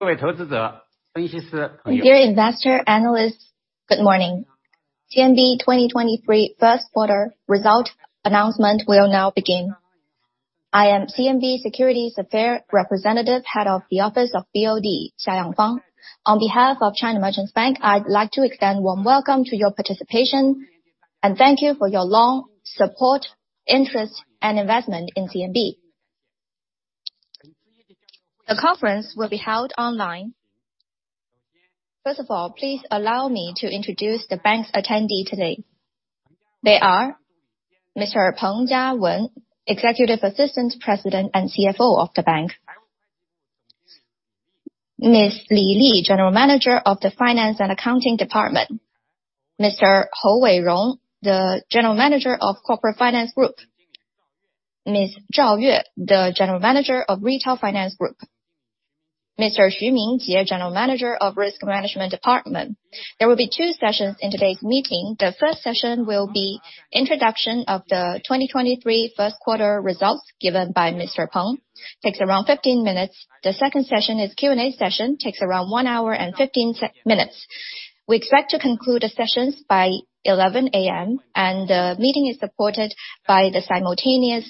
Dear investor, analysts, good morning. CMB 2023 first quarter result announcement will now begin. I am CMB Securities Affair Representative, Head of the Office of BOD, Xia Yangfang. On behalf of China Merchants Bank, I'd like to extend warm welcome to your participation, and thank you for your long support, interest, and investment in CMB. The conference will be held online. First of all, please allow me to introduce the bank's attendee today. They are Mr. Peng Jiawen, Executive Assistant President and CFO of the bank. Ms. Li Li, General Manager of the Finance and Accounting Department. Mr. Hou Weirong, the General Manager of Corporate Finance Group. Ms. Zhao Yue, the General Manager of Retail Finance Group. Mr. Xu Mingjie, General Manager of Risk Management Department. There will be two sessions in today's meeting. The first session will be introduction of the 2023 first quarter results given by Mr. Peng, takes around 15 minutes. The second session is Q&A session, takes around 1 hour and 15 minutes. We expect to conclude the sessions by 11:00 A.M. The meeting is supported by the simultaneous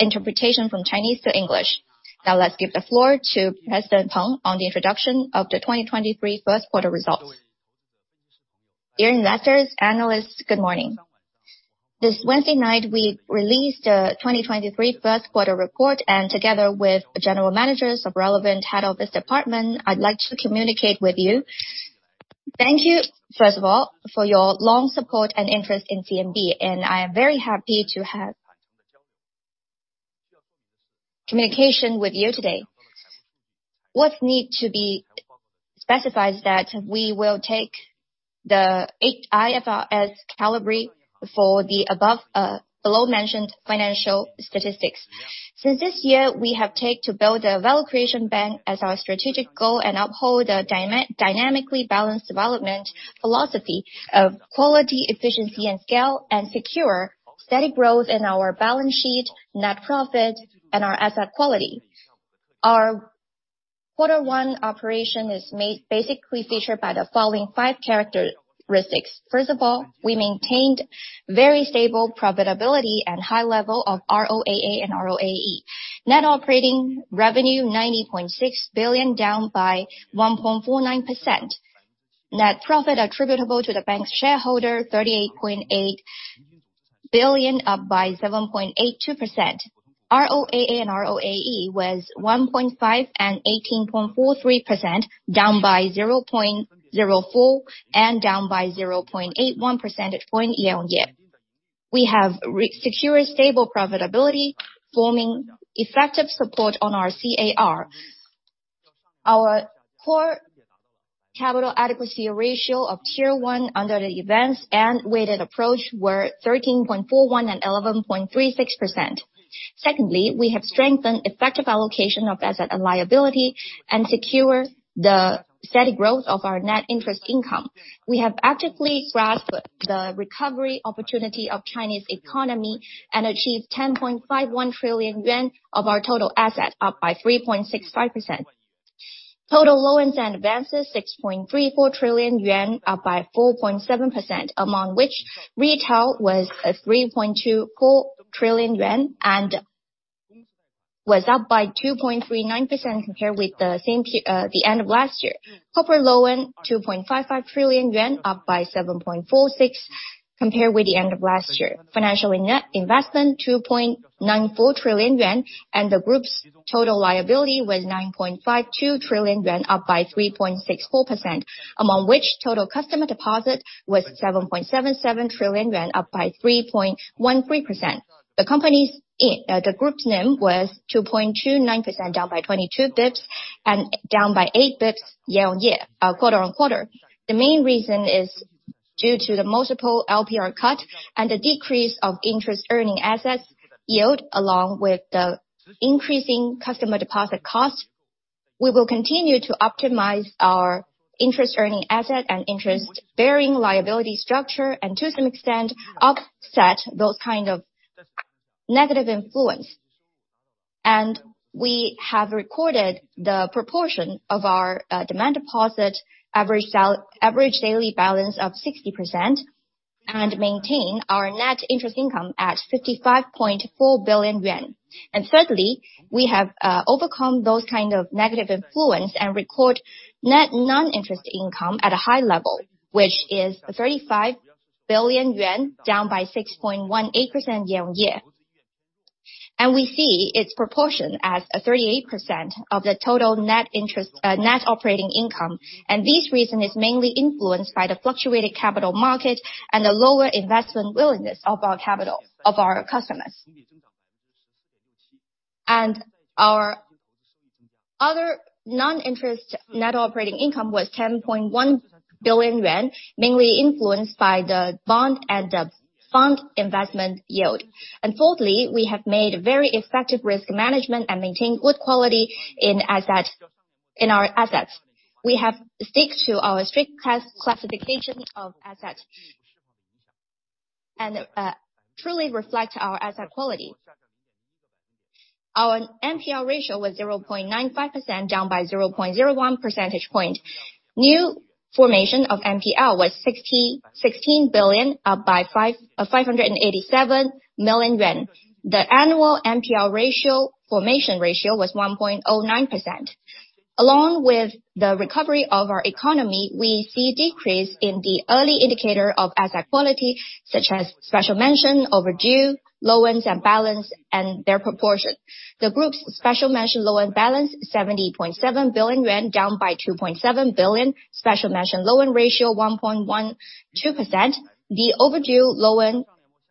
interpretation from Chinese to English. Now let's give the floor to President Peng on the introduction of the 2023 first quarter results. Dear investors, analysts, good morning. This Wednesday night, we released the 2023 first quarter report, and together with the general managers of relevant head office department, I'd like to communicate with you. Thank you, first of all, for your long support and interest in CMB, and I am very happy to have communication with you today. What need to be specified is that we will take the 8 IFRS caliber for the above, below-mentioned financial statistics. Since this year, we have take to build a value creation bank as our strategic goal and uphold a dynamically balanced development philosophy of quality, efficiency, and scale, and secure steady growth in our balance sheet, net profit, and our asset quality. Our Q1 operation is basically featured by the following 5 characteristics. First of all, we maintained very stable profitability and high level of ROAA and ROAE. Net operating revenue, 90.6 billion, down by 1.49%. Net profit attributable to the bank's shareholder, 38.8 billion, up by 7.82%. ROAA and ROAE was 1.5 and 18.43%, down by 0.04 and down by 0.81 percentage point year-on-year. We have secured stable profitability, forming effective support on our CAR. Our core capital adequacy ratio of Tier 1 under the events and weighted approach were 13.41 and 11.36%. We have strengthened effective allocation of asset and liability and secure the steady growth of our net interest income. We have actively grasped the recovery opportunity of Chinese economy and achieved 10.51 trillion yuan of our total asset, up by 3.65%. Total loans and advances, 6.34 trillion yuan, up by 4.7%. Among which, retail was 3.24 trillion yuan and was up by 2.39% compared with the end of last year. Corporate loan, 2.55 trillion yuan, up by 7.46% compared with the end of last year. Financial and net investment, 2.94 trillion yuan. The group's total liability was 9.52 trillion yuan, up by 3.64%. Among which, total customer deposit was 7.77 trillion yuan, up by 3.13%. The group's NIM was 2.29%, down by 22 basis points and down by 8 basis points year-on-year, quarter-on-quarter. The main reason is due to the multiple LPR cut and the decrease of interest earning assets yield, along with the increasing customer deposit cost. We will continue to optimize our interest earning asset and interest-bearing liability structure, and to some extent, offset those kind of negative influence. We have recorded the proportion of our demand deposit, average daily balance of 60% and maintain our net interest income at 55.4 billion yuan. Thirdly, we have overcome those kind of negative influence and record net non-interest income at a high level, which is 35 billion yuan, down by 6.18% year-on-year. We see its proportion as 38% of the total net operating income. This reason is mainly influenced by the fluctuating capital market and the lower investment willingness of our customers. Our other non-interest net operating income was 10.1 billion yuan, mainly influenced by the bond and the fund investment yield. Fourthly, we have made very effective risk management and maintained good quality in our assets. We have sticked to our strict classification of assets. Truly reflect our asset quality. Our NPL ratio was 0.95%, down by 0.01 percentage point. New formation of NPL was 16 billion, up by 587 million yuan. The annual NPL ratio, formation ratio was 1.09%. Along with the recovery of our economy, we see a decrease in the early indicator of asset quality, such as special mention, overdue, loans and balance, and their proportion. The group's special mention loan balance, 70.7 billion yuan, down by 2.7 billion. Special mention loan ratio 1.12%. The overdue loan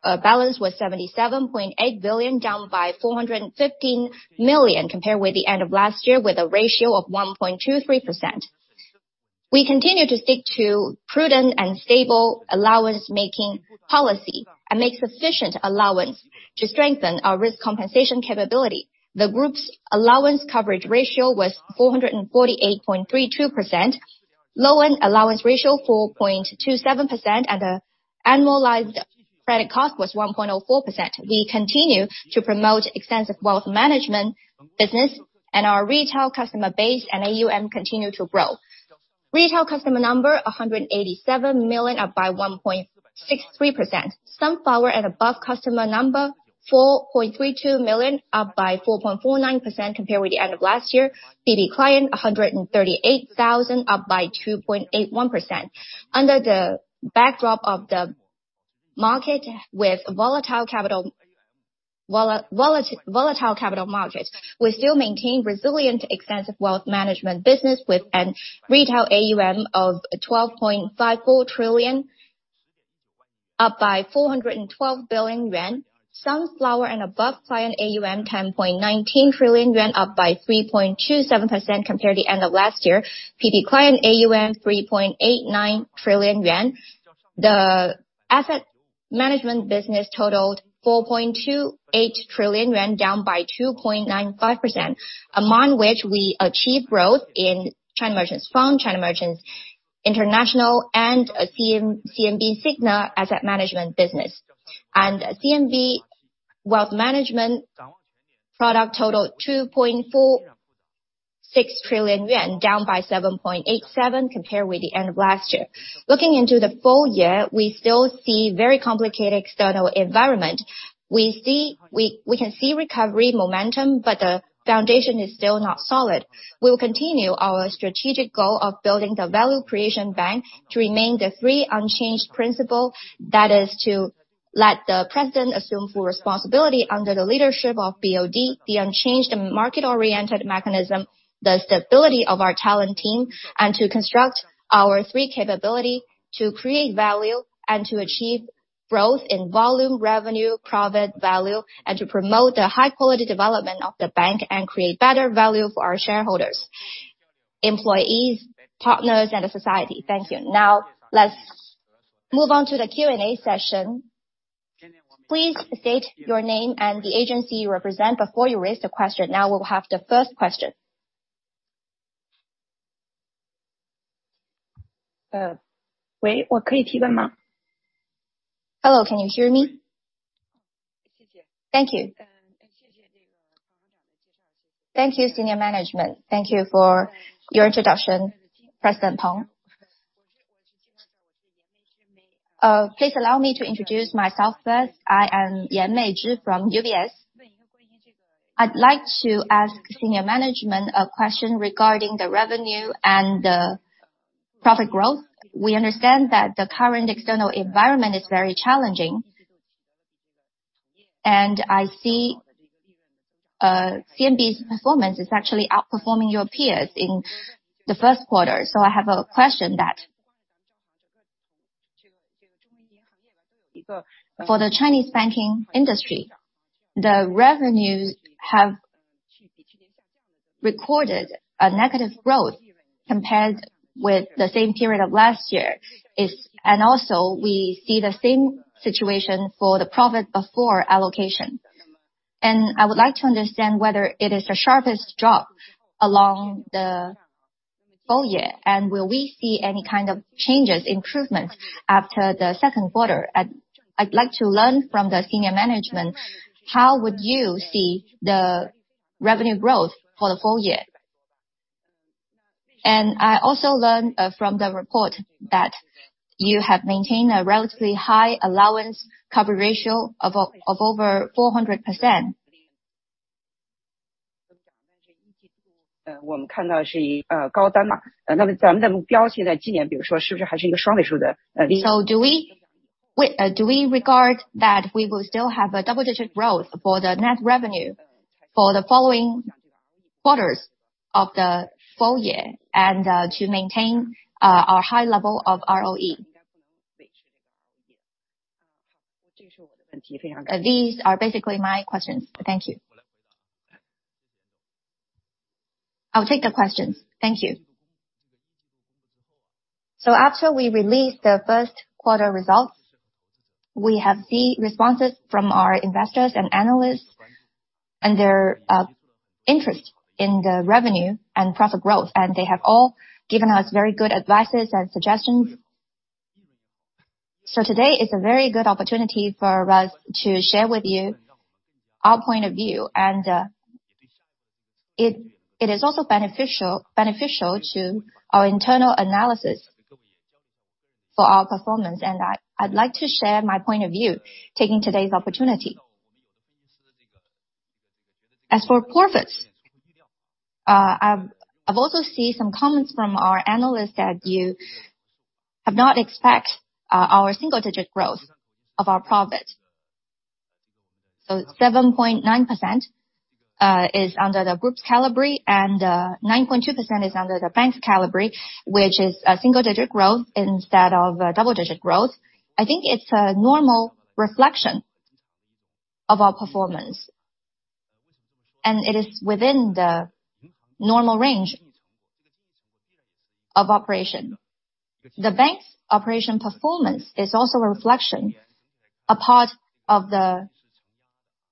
balance was 77.8 billion, down by 415 million compared with the end of last year, with a ratio of 1.23%. We continue to stick to prudent and stable allowance-making policy and make sufficient allowance to strengthen our risk compensation capability. The group's allowance coverage ratio was 448.32%. Loan allowance ratio 4.27%, and the annualized credit cost was 1.04%. We continue to promote extensive wealth management business, and our retail customer base and AUM continue to grow. Retail customer number 187 million, up by 1.63%. Sunflower and above customer number 4.32 million, up by 4.49% compared with the end of last year. PB client 138,000, up by 2.81%. Under the backdrop of the market with volatile capital markets, we still maintain resilient extensive wealth management business with a retail AUM of 12.54 trillion, up by 412 billion yuan. Sunflower and above client AUM 10.19 trillion yuan, up by 3.27% compared to the end of last year. PB client AUM 3.89 trillion yuan. The asset management business totaled 4.28 trillion yuan, down by 2.95%, among which we achieved growth in China Merchants Fund, China Merchants International and CMB Cigna Asset Management business. CMB wealth management product totaled 2.46 trillion yuan, down by 7.87% compared with the end of last year. Looking into the full year, we still see very complicated external environment. We can see recovery momentum, but the foundation is still not solid. We'll continue our strategic goal of building the value creation bank to remain the three unchanged principle. That is to let the president assume full responsibility under the leadership of BOD, the unchanged market-oriented mechanism, the stability of our talent team, and to construct our three capability to create value and to achieve growth in volume, revenue, profit, value, and to promote the high-quality development of the bank and create better value for our shareholders, employees, partners, and the society. Thank you. Let's move on to the Q&A session. Please state your name and the agency you represent before you raise the question. We'll have the first question. Uh, Hello, can you hear me? Thank you. Thank you, senior management. Thank you for your introduction, President Peng. Please allow me to introduce myself first. I am May Yan from UBS. I'd like to ask senior management a question regarding the revenue and the profit growth. We understand that the current external environment is very challenging. I see CMB's performance is actually outperforming your peers in the first quarter. I have a question. For the Chinese banking industry, the revenues have recorded a negative growth compared with the same period of last year. Also, we see the same situation for the profit before allocation. I would like to understand whether it is the sharpest drop along the full year, and will we see any kind of changes, improvements after the second quarter? I'd like to learn from the senior management, how would you see the revenue growth for the full year? I also learned from the report that you have maintained a relatively high allowance coverage ratio of over 400%. Do we regard that we will still have a double-digit growth for the net revenue for the following quarters of the full year and to maintain our high level of ROE? These are basically my questions. Thank you. I'll take the questions. Thank you. After we released the first quarter results, we have seen responses from our investors and analysts. And their interest in the revenue and profit growth, and they have all given us very good advices and suggestions. Today is a very good opportunity for us to share with you our point of view, and it is also beneficial to our internal analysis for our performance. I'd like to share my point of view, taking today's opportunity. As for profits, I've also seen some comments from our analysts that you have not expect our single digit growth of our profit. 7.9% is under the group's caliber, and 9.2% is under the bank's caliber, which is a single digit growth instead of a double-digit growth. I think it's a normal reflection of our performance. It is within the normal range of operation. The bank's operation performance is also a reflection, a part of the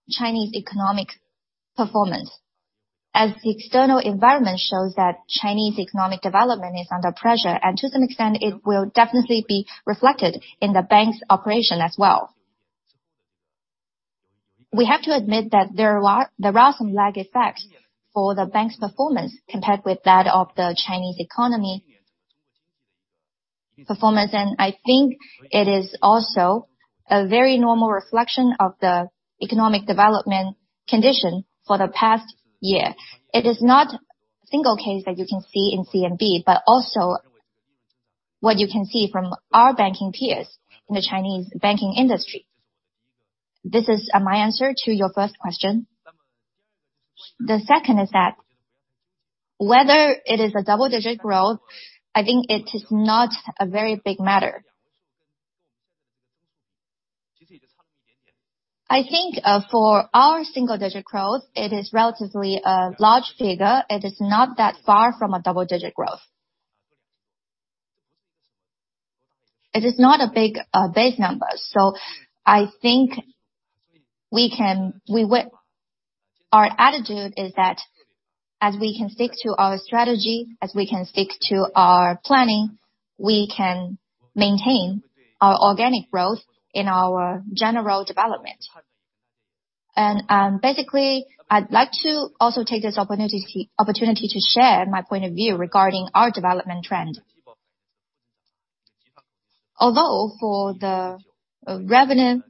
Chinese economic performance, as the external environment shows that Chinese economic development is under pressure, and to some extent it will definitely be reflected in the bank's operation as well. We have to admit that there are some lag effects for the bank's performance compared with that of the Chinese economy performance. I think it is also a very normal reflection of the economic development condition for the past year. It is not a single case that you can see in CMB, but also what you can see from our banking peers in the Chinese banking industry. This is my answer to your first question. The second is that whether it is a double-digit growth, I think it is not a very big matter. I think, for our single digit growth, it is relatively a large figure. It is not that far from a double-digit growth. It is not a big, base number. I think our attitude is that as we can stick to our strategy, as we can stick to our planning, we can maintain our organic growth in our general development. Basically, I'd like to also take this opportunity to share my point of view regarding our development trend. Although for the revenue,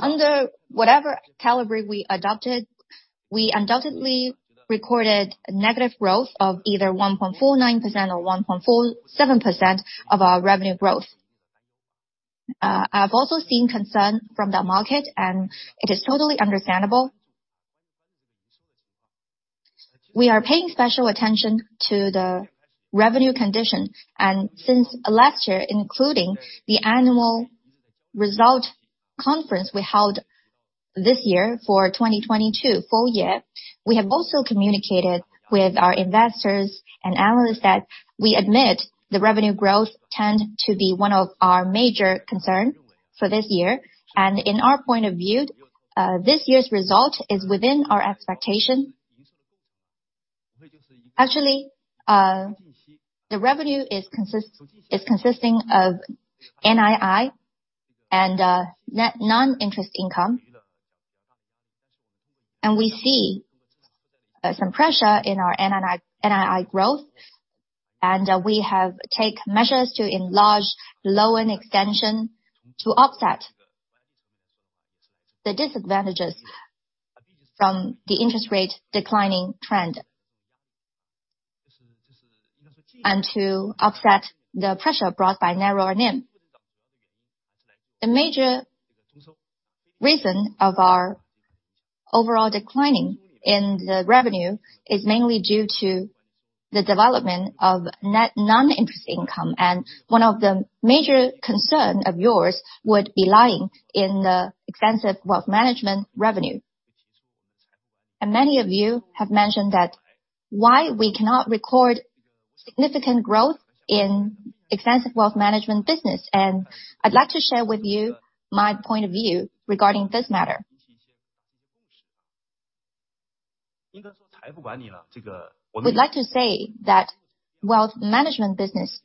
under whatever caliber we adopted, we undoubtedly recorded negative growth of either 1.49% or 1.47% of our revenue growth. I've also seen concern from the market and it is totally understandable. We are paying special attention to the revenue condition, since last year, including the annual result conference we held this year for 2022 full year, we have also communicated with our investors and analysts that we admit the revenue growth tend to be one of our major concern for this year. In our point of view, this year's result is within our expectation. Actually, the revenue is consisting of NII and non-interest income. We see some pressure in our NII growth. We have take measures to enlarge loan extension to offset the disadvantages from the interest rate declining trend. To offset the pressure brought by narrower NIM. The major reason of our overall declining in the revenue is mainly due to the development of non-interest income, one of the major concern of yours would be lying in the extensive wealth management revenue. Many of you have mentioned that why we cannot record significant growth in extensive wealth management business. I'd like to share with you my point of view regarding this matter. We'd like to say that wealth management business,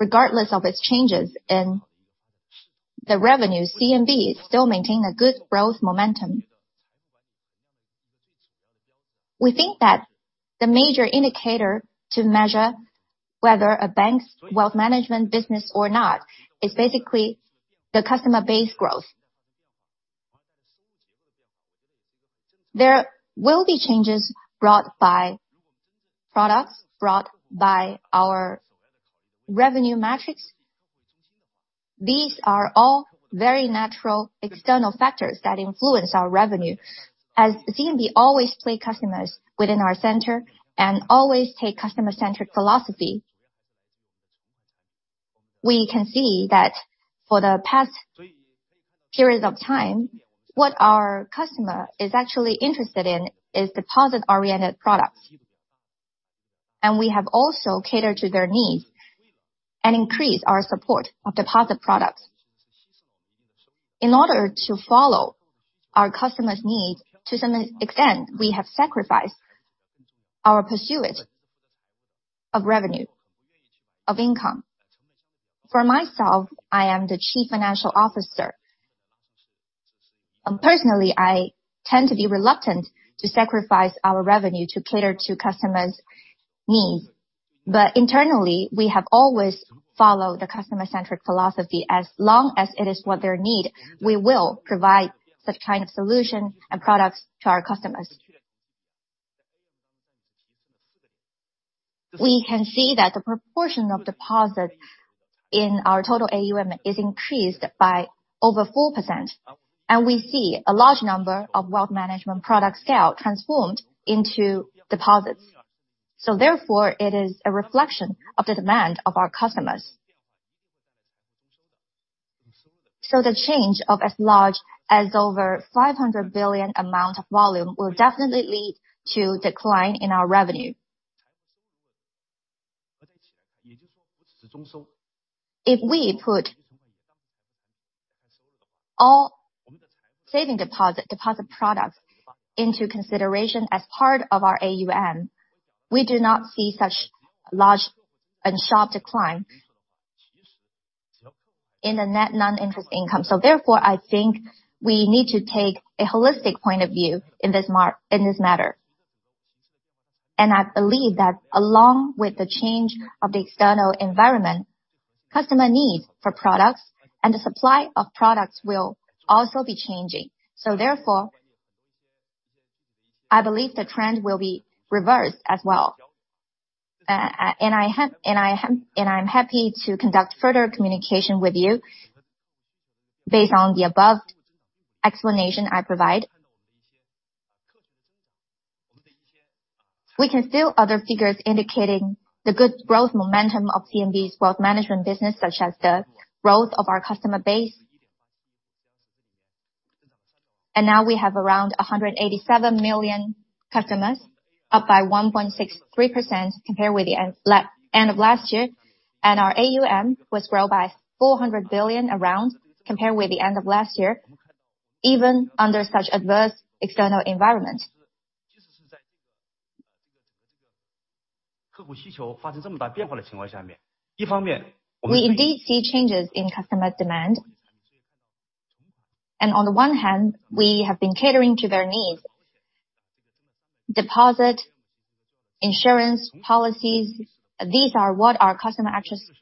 regardless of its changes in the revenue, CMB still maintain a good growth momentum. We think that the major indicator to measure whether a bank's wealth management business or not, is basically the customer base growth. There will be changes brought by products, brought by our revenue metrics. These are all very natural external factors that influence our revenue. As CMB always place customers within our center and always take customer-centric philosophy, we can see that for the past periods of time, what our customer is actually interested in is deposit-oriented products. We have also catered to their needs and increased our support of deposit products. In order to follow our customers' needs, to some extent, we have sacrificed our pursuit of revenue, of income. For myself, I am the Chief Financial Officer. Personally, I tend to be reluctant to sacrifice our revenue to cater to customers' needs. Internally, we have always followed the customer-centric philosophy. As long as it is what they need, we will provide such kind of solution and products to our customers. We can see that the proportion of deposits in our total AUM is increased by over 4%, we see a large number of wealth management product scale transformed into deposits. Therefore, it is a reflection of the demand of our customers. The change of as large as over 500 billion amount of volume will definitely lead to decline in our revenue. If we put all saving deposit products into consideration as part of our AUM, we do not see such large and sharp decline in the net non-interest income. Therefore, I think we need to take a holistic point of view in this matter. I believe that along with the change of the external environment, customer needs for products and the supply of products will also be changing. Therefore, I believe the trend will be reversed as well. I'm happy to conduct further communication with you based on the above explanation I provide. We can see other figures indicating the good growth momentum of CMB's wealth management business, such as the growth of our customer base. Now we have around 187 million customers, up by 1.63% compared with the end of last year. Our AUM was grow by 400 billion around compared with the end of last year, even under such adverse external environment. We indeed see changes in customer demand. On the one hand, we have been catering to their needs. Deposit, insurance policies, these are what our customer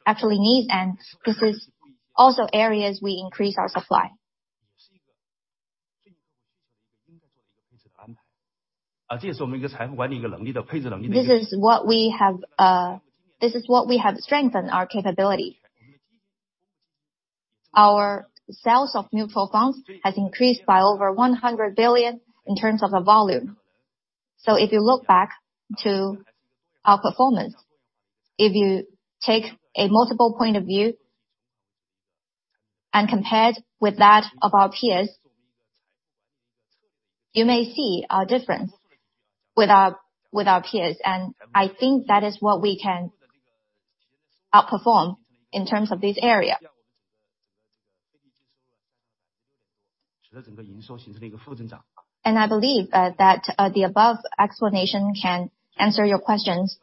actually needs, and this is also areas we increase our supply. This is what we have strengthened our capability. Our sales of mutual funds has increased by over 100 billion in terms of the volume. If you look back to our performance, if you take a multiple point of view and compare it with that of our peers, you may see a difference with our peers. I think that is what we can outperform in terms of this area. I believe that the above explanation can answer your questions.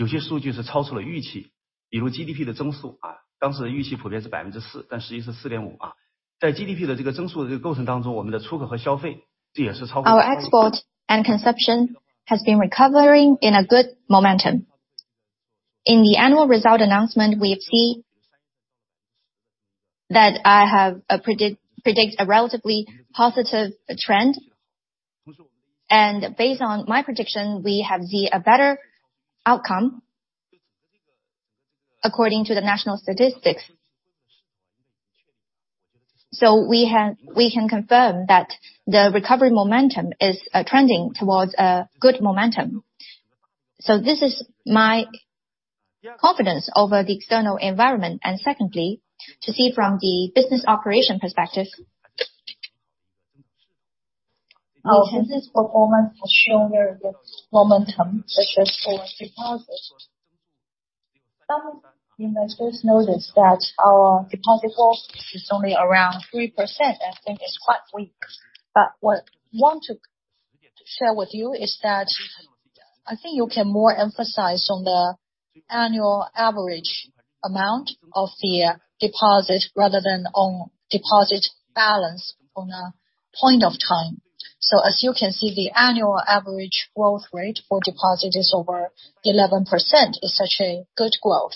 Our export and consumption has been recovering in a good momentum. In the annual result announcement, we have seen that I have predict a relatively positive trend. Based on my prediction, we have seen a better outcome according to the national statistics. We can confirm that the recovery momentum is trending towards a good momentum. This is my confidence over the external environment. Secondly, to see from the business operation perspective. Our business performance has shown very good momentum, such as for deposits. Some investors notice that our deposit goal is only around 3%. I think it's quite weak. What I want to share with you is that I think you can more emphasize on the annual average amount of the deposit rather than on deposit balance from a point of time. As you can see, the annual average growth rate for deposit is over 11%. It's such a good growth.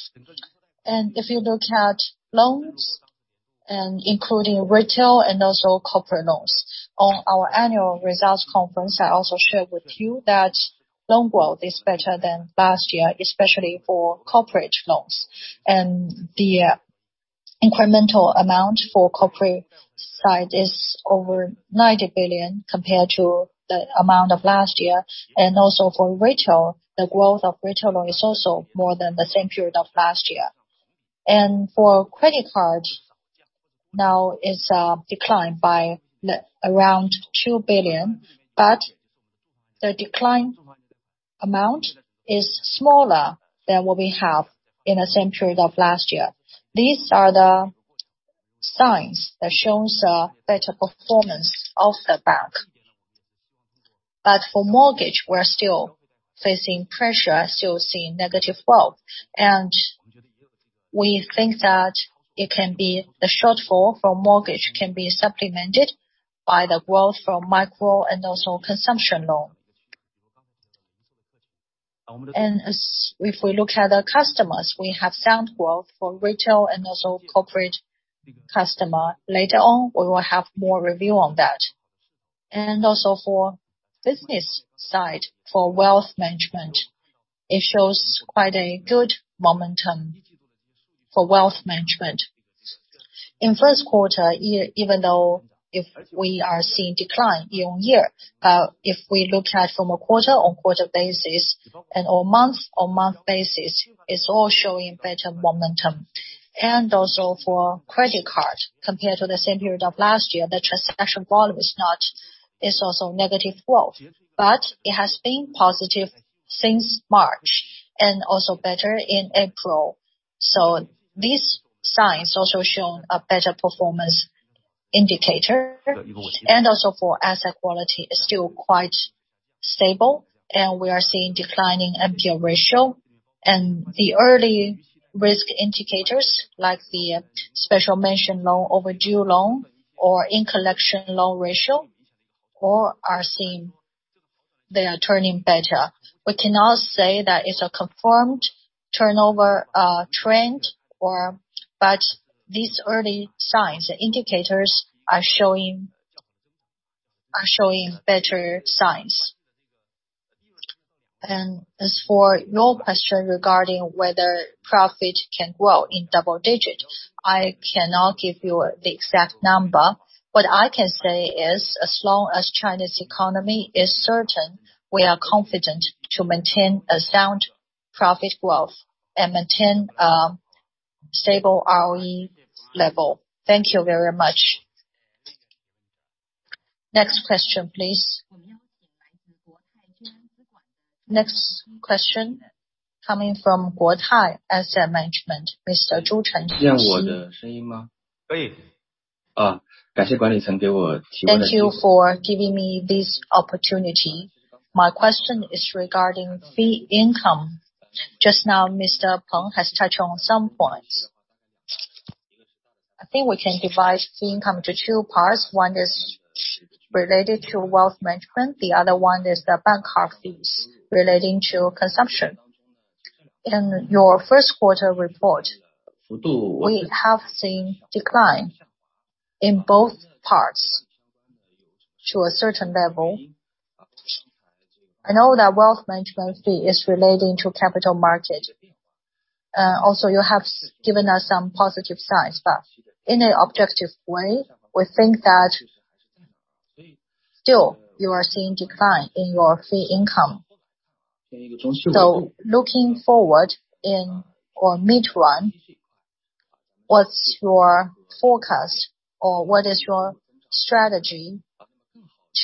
If you look at loans and including retail and also corporate loans. On our annual results conference, I also shared with you that loan growth is better than last year, especially for corporate loans. The incremental amount for corporate side is over 90 billion compared to the amount of last year. Also for retail, the growth of retail is also more than the same period of last year. For credit cards, now it's declined around 2 billion, but the decline amount is smaller than what we have in the same period of last year. These are the signs that shows a better performance of the bank. For mortgage, we're still facing pressure, still seeing negative growth. We think that it can be the shortfall for mortgage can be supplemented by the growth from micro and also consumption loan. If we look at the customers, we have sound growth for retail and also corporate customer. Later on, we will have more review on that. For business side, for wealth management, it shows quite a good momentum for wealth management. In first quarter, even though if we are seeing decline year-on-year, if we look at from a quarter-on-quarter basis and/or month-on-month basis, it's all showing better momentum. For credit card, compared to the same period of last year, the transaction volume is not, it's also negative growth, but it has been positive since March and also better in April. These signs also shown a better performance indicator. Also for asset quality is still quite stable, we are seeing declining NPL ratio. The early risk indicators, like the special mention loan, overdue loan or in-collection loan ratio, all are seeing they are turning better. We cannot say that it's a confirmed turnover trend or... but these early signs, the indicators are showing better signs. As for your question regarding whether profit can grow in double digit, I cannot give you the exact number. What I can say is, as long as China's economy is certain, we are confident to maintain a sound profit growth and maintain a stable ROE level. Thank you very much. Next question, please. Next question coming from Guotai Asset Management, Mr. Zhu Chen. Thank you for giving me this opportunity. My question is regarding fee income. Just now, Mr. Peng has touched on some points. I think we can divide fee income into two parts. One is related to wealth management, the other one is the bank card fees relating to consumption. In your first quarter report, we have seen decline in both parts to a certain level. I know that wealth management fee is relating to capital market. You have given us some positive signs, but in a objective way, we think that still you are seeing decline in your fee income. Looking forward or mid-run, what's your forecast or what is your strategy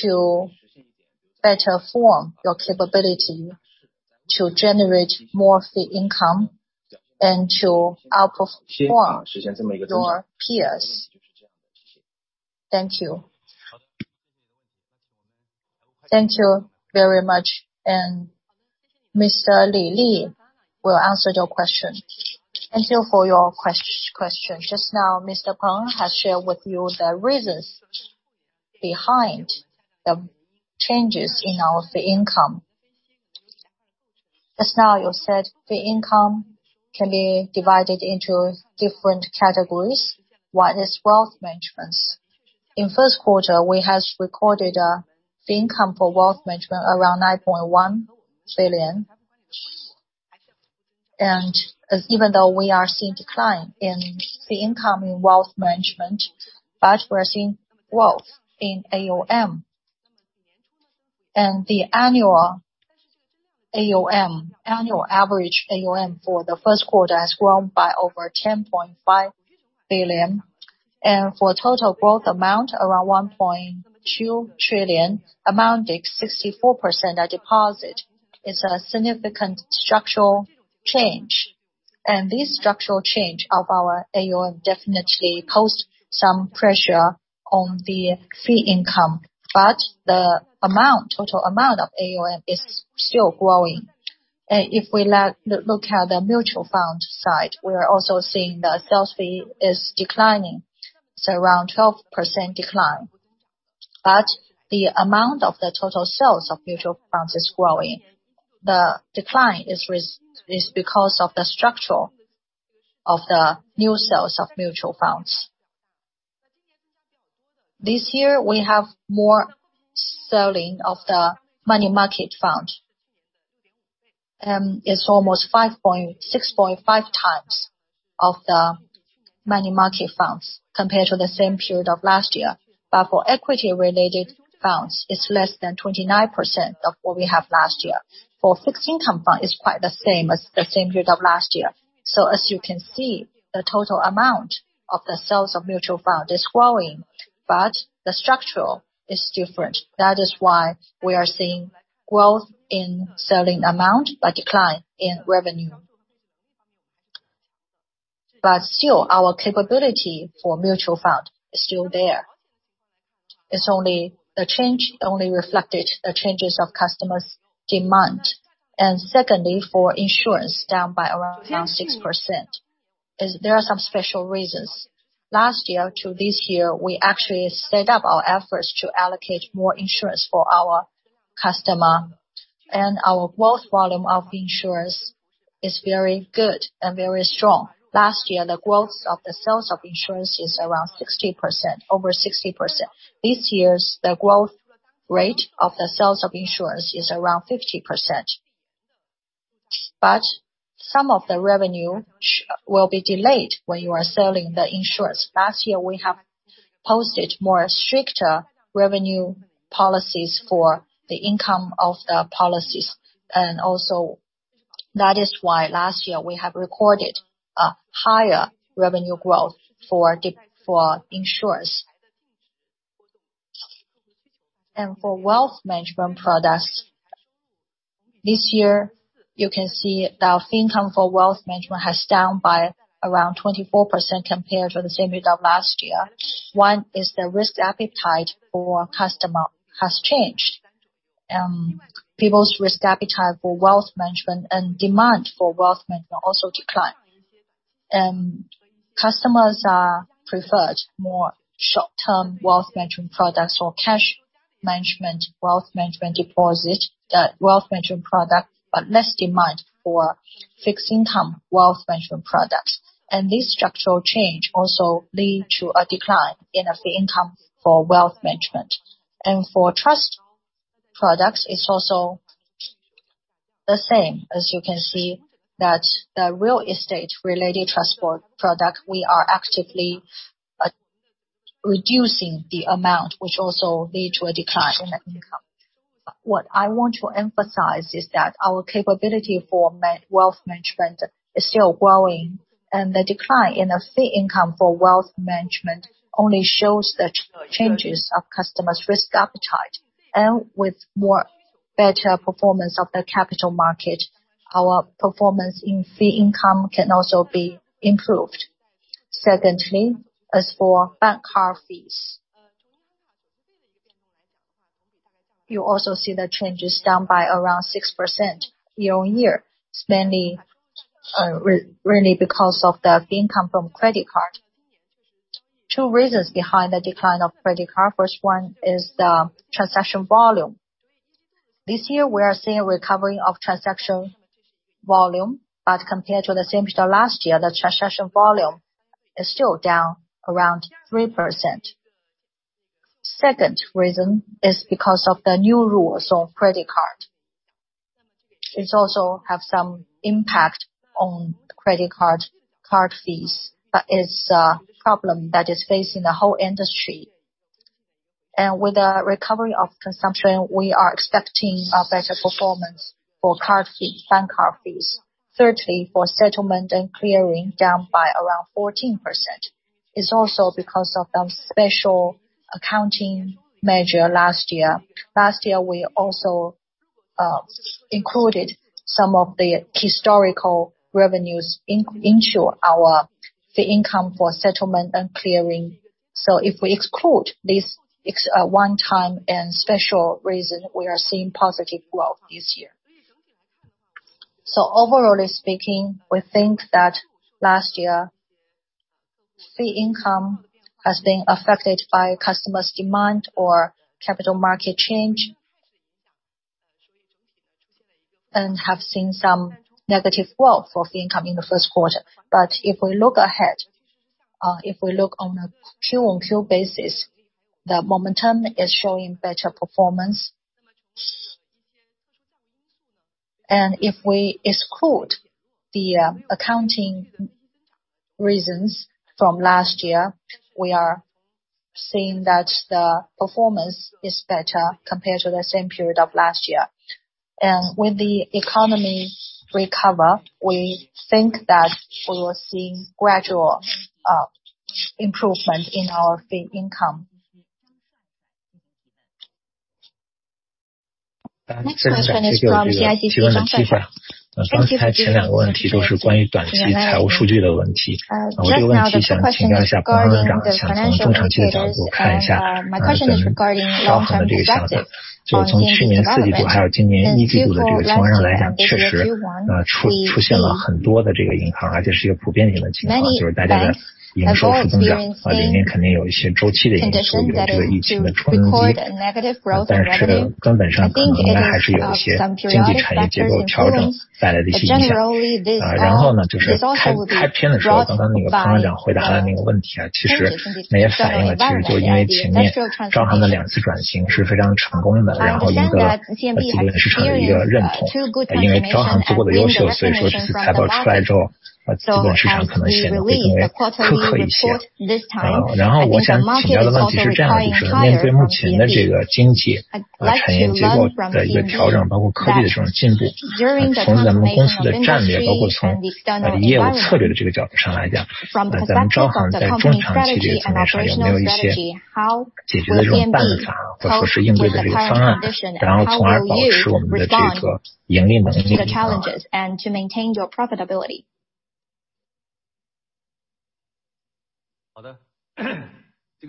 to better form your capability to generate more fee income and to outperform your peers? Thank you. Thank you very much. Ms. Li Li will answer your question. Thank you for your question. Just now, President Peng has shared with you the reasons behind the changes in our fee income. Just now you said fee income can be divided into different categories. One is wealth management. In first quarter, we has recorded a fee income for wealth management around 9.1 billion. Even though we are seeing decline in fee income in wealth management, but we're seeing growth in AUM. The annual AUM, annual average AUM for the first quarter has grown by over 10.5 billion. For total growth amount, around 1.2 trillion, amounting 64% of deposit. It's a significant structural change. This structural change of our AUM definitely caused some pressure on the fee income. The amount, total amount of AUM is still growing. If we look at the mutual fund side, we are also seeing the sales fee is declining. It's around 12% decline. The amount of the total sales of mutual funds is growing. The decline is because of the structure of the new sales of mutual funds. This year we have more selling of the money market fund. It's almost 6.5 times of the money market funds compared to the same period of last year. For equity-related funds, it's less than 29% of what we have last year. For fixed income fund, it's quite the same as the same period of last year. As you can see, the total amount of the sales of mutual fund is growing, but the structure is different. That is why we are seeing growth in selling amount, but decline in revenue. Still, our capability for mutual fund is still there. The change only reflected the changes of customers' demand. secondly, for insurance down by around 6%. There are some special reasons. Last year to this year, we actually stepped up our efforts to allocate more insurance for our customer. Our growth volume of insurance is very good and very strong. Last year, the growth of the sales of insurance is over 60%. This year's, the growth rate of the sales of insurance is around 50%. Some of the revenue will be delayed when you are selling the insurance. Last year, we have posted more stricter revenue policies for the income of the policies. Also that is why last year we have recorded a higher revenue growth for insurance. For wealth management products, this year, you can see the fee income for wealth management has down by around 24% compared to the same period of last year. One is the risk appetite for customer has changed. People's risk appetite for wealth management and demand for wealth management also declined. Customers are preferred more short-term wealth management products or cash management, wealth management deposit, wealth management product, but less demand for fixed income wealth management products. This structural change also lead to a decline in the fee income for wealth management. For trust products, it's also the same. As you can see that the real estate-related trust product, we are actively reducing the amount which also lead to a decline in the income. What I want to emphasize is that our capability for wealth management is still growing, and the decline in the fee income for wealth management only shows the changes of customers' risk appetite. With more better performance of the capital market, our performance in fee income can also be improved. Secondly, as for bank card fees. You also see the changes down by around 6% year-on-year, mainly really because of the fee income from credit card. 2 reasons behind the decline of credit card. First one is the transaction volume. This year we are seeing a recovery of transaction volume, but compared to the same period of last year, the transaction volume is still down around 3%. Second reason is because of the new rules on credit card. It's also have some impact on credit card fees. It's a problem that is facing the whole industry. With the recovery of consumption, we are expecting a better performance for bank card fees. Thirdly, for settlement and clearing down by around 14%. It's also because of the special accounting measure last year. Last year, we also included some of the historical revenues into our fee income for settlement and clearing. If we exclude this one-time and special reason, we are seeing positive growth this year. Overall speaking, we think that last year, fee income has been affected by customers' demand or capital market change. Have seen some negative growth for fee income in the first quarter. If we look ahead, if we look on a Q-on-Q basis, the momentum is showing better performance. If we exclude the accounting reasons from last year, we are seeing that the performance is better compared to the same period of last year. When the economy recovers, we think that we will see gradual improvement in our fee income. 刚才前两个问题都是关于短期财务数据的问题。我这个问题想请教一下 President Peng， 想从中长期的角度看一 下， CMB 的这个表现。就从去年四季度还有今年一季度的这个情况来 看， 确 实， 出现了很多的这个银 行， 而且是一个普遍性的情 况， 就是大家的营收出现增 长， 里面肯定有一些周期的因 素， 有这个疫情的冲动期。但是确实根本上可能应该还是有一些经济产业结构调整带来的影响。然后 呢， 就是开篇的时 候， 刚刚那个 President Peng 回答的那个问 题， 其实那也反映 了， 其实就因为前面 CMB 的两次转型是非常成功 的， 然后得到资本市场的一个认 同， 因为 CMB 足够的优 秀， 所以说这次财报出来之 后， 资本市场可能显得会更为苛刻一些。然后我想请教的问题是这样 的， 就是面对目前的这个经济和产业结构的一个调 整， 包括科技的这种进 步， 从咱们公司的战 略， 包括从业务策略的这个角度上来 讲， 咱们 CMB 在中长期这个层面 上， 有没有一些解决的这种办 法， 或者说是应对的这个方 案， 然后从而保持我们的这个盈利能力。好的。这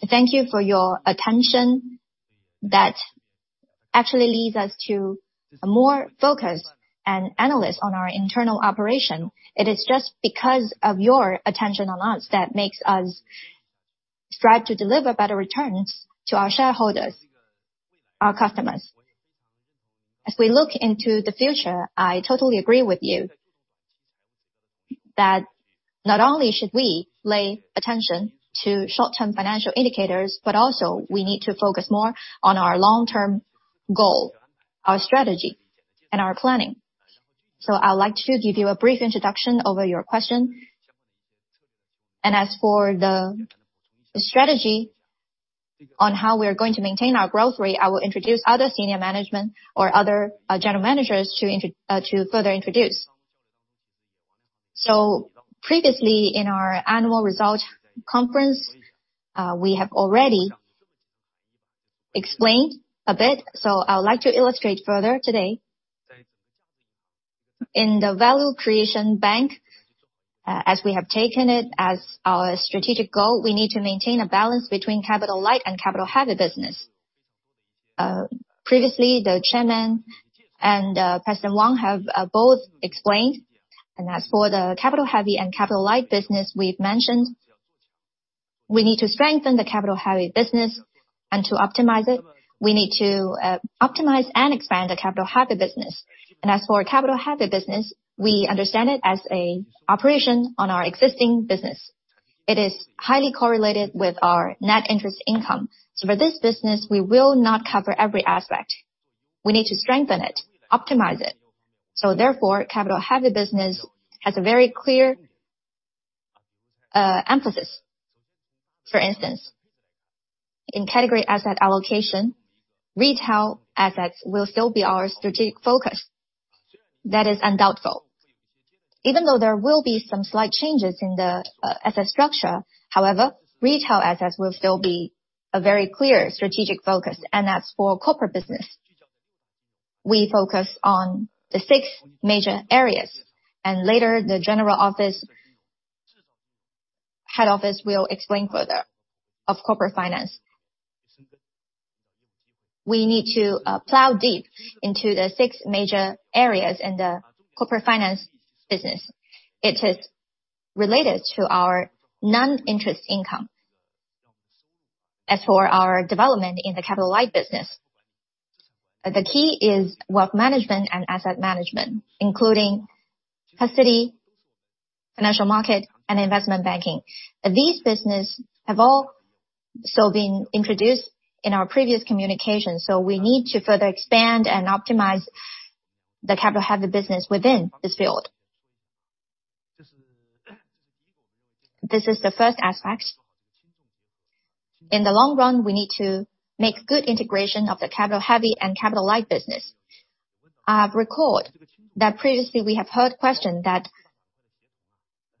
个最后两句没听清 楚， 但是大致的问题。这次提报出来了，的确就是。这个未来。其实财务结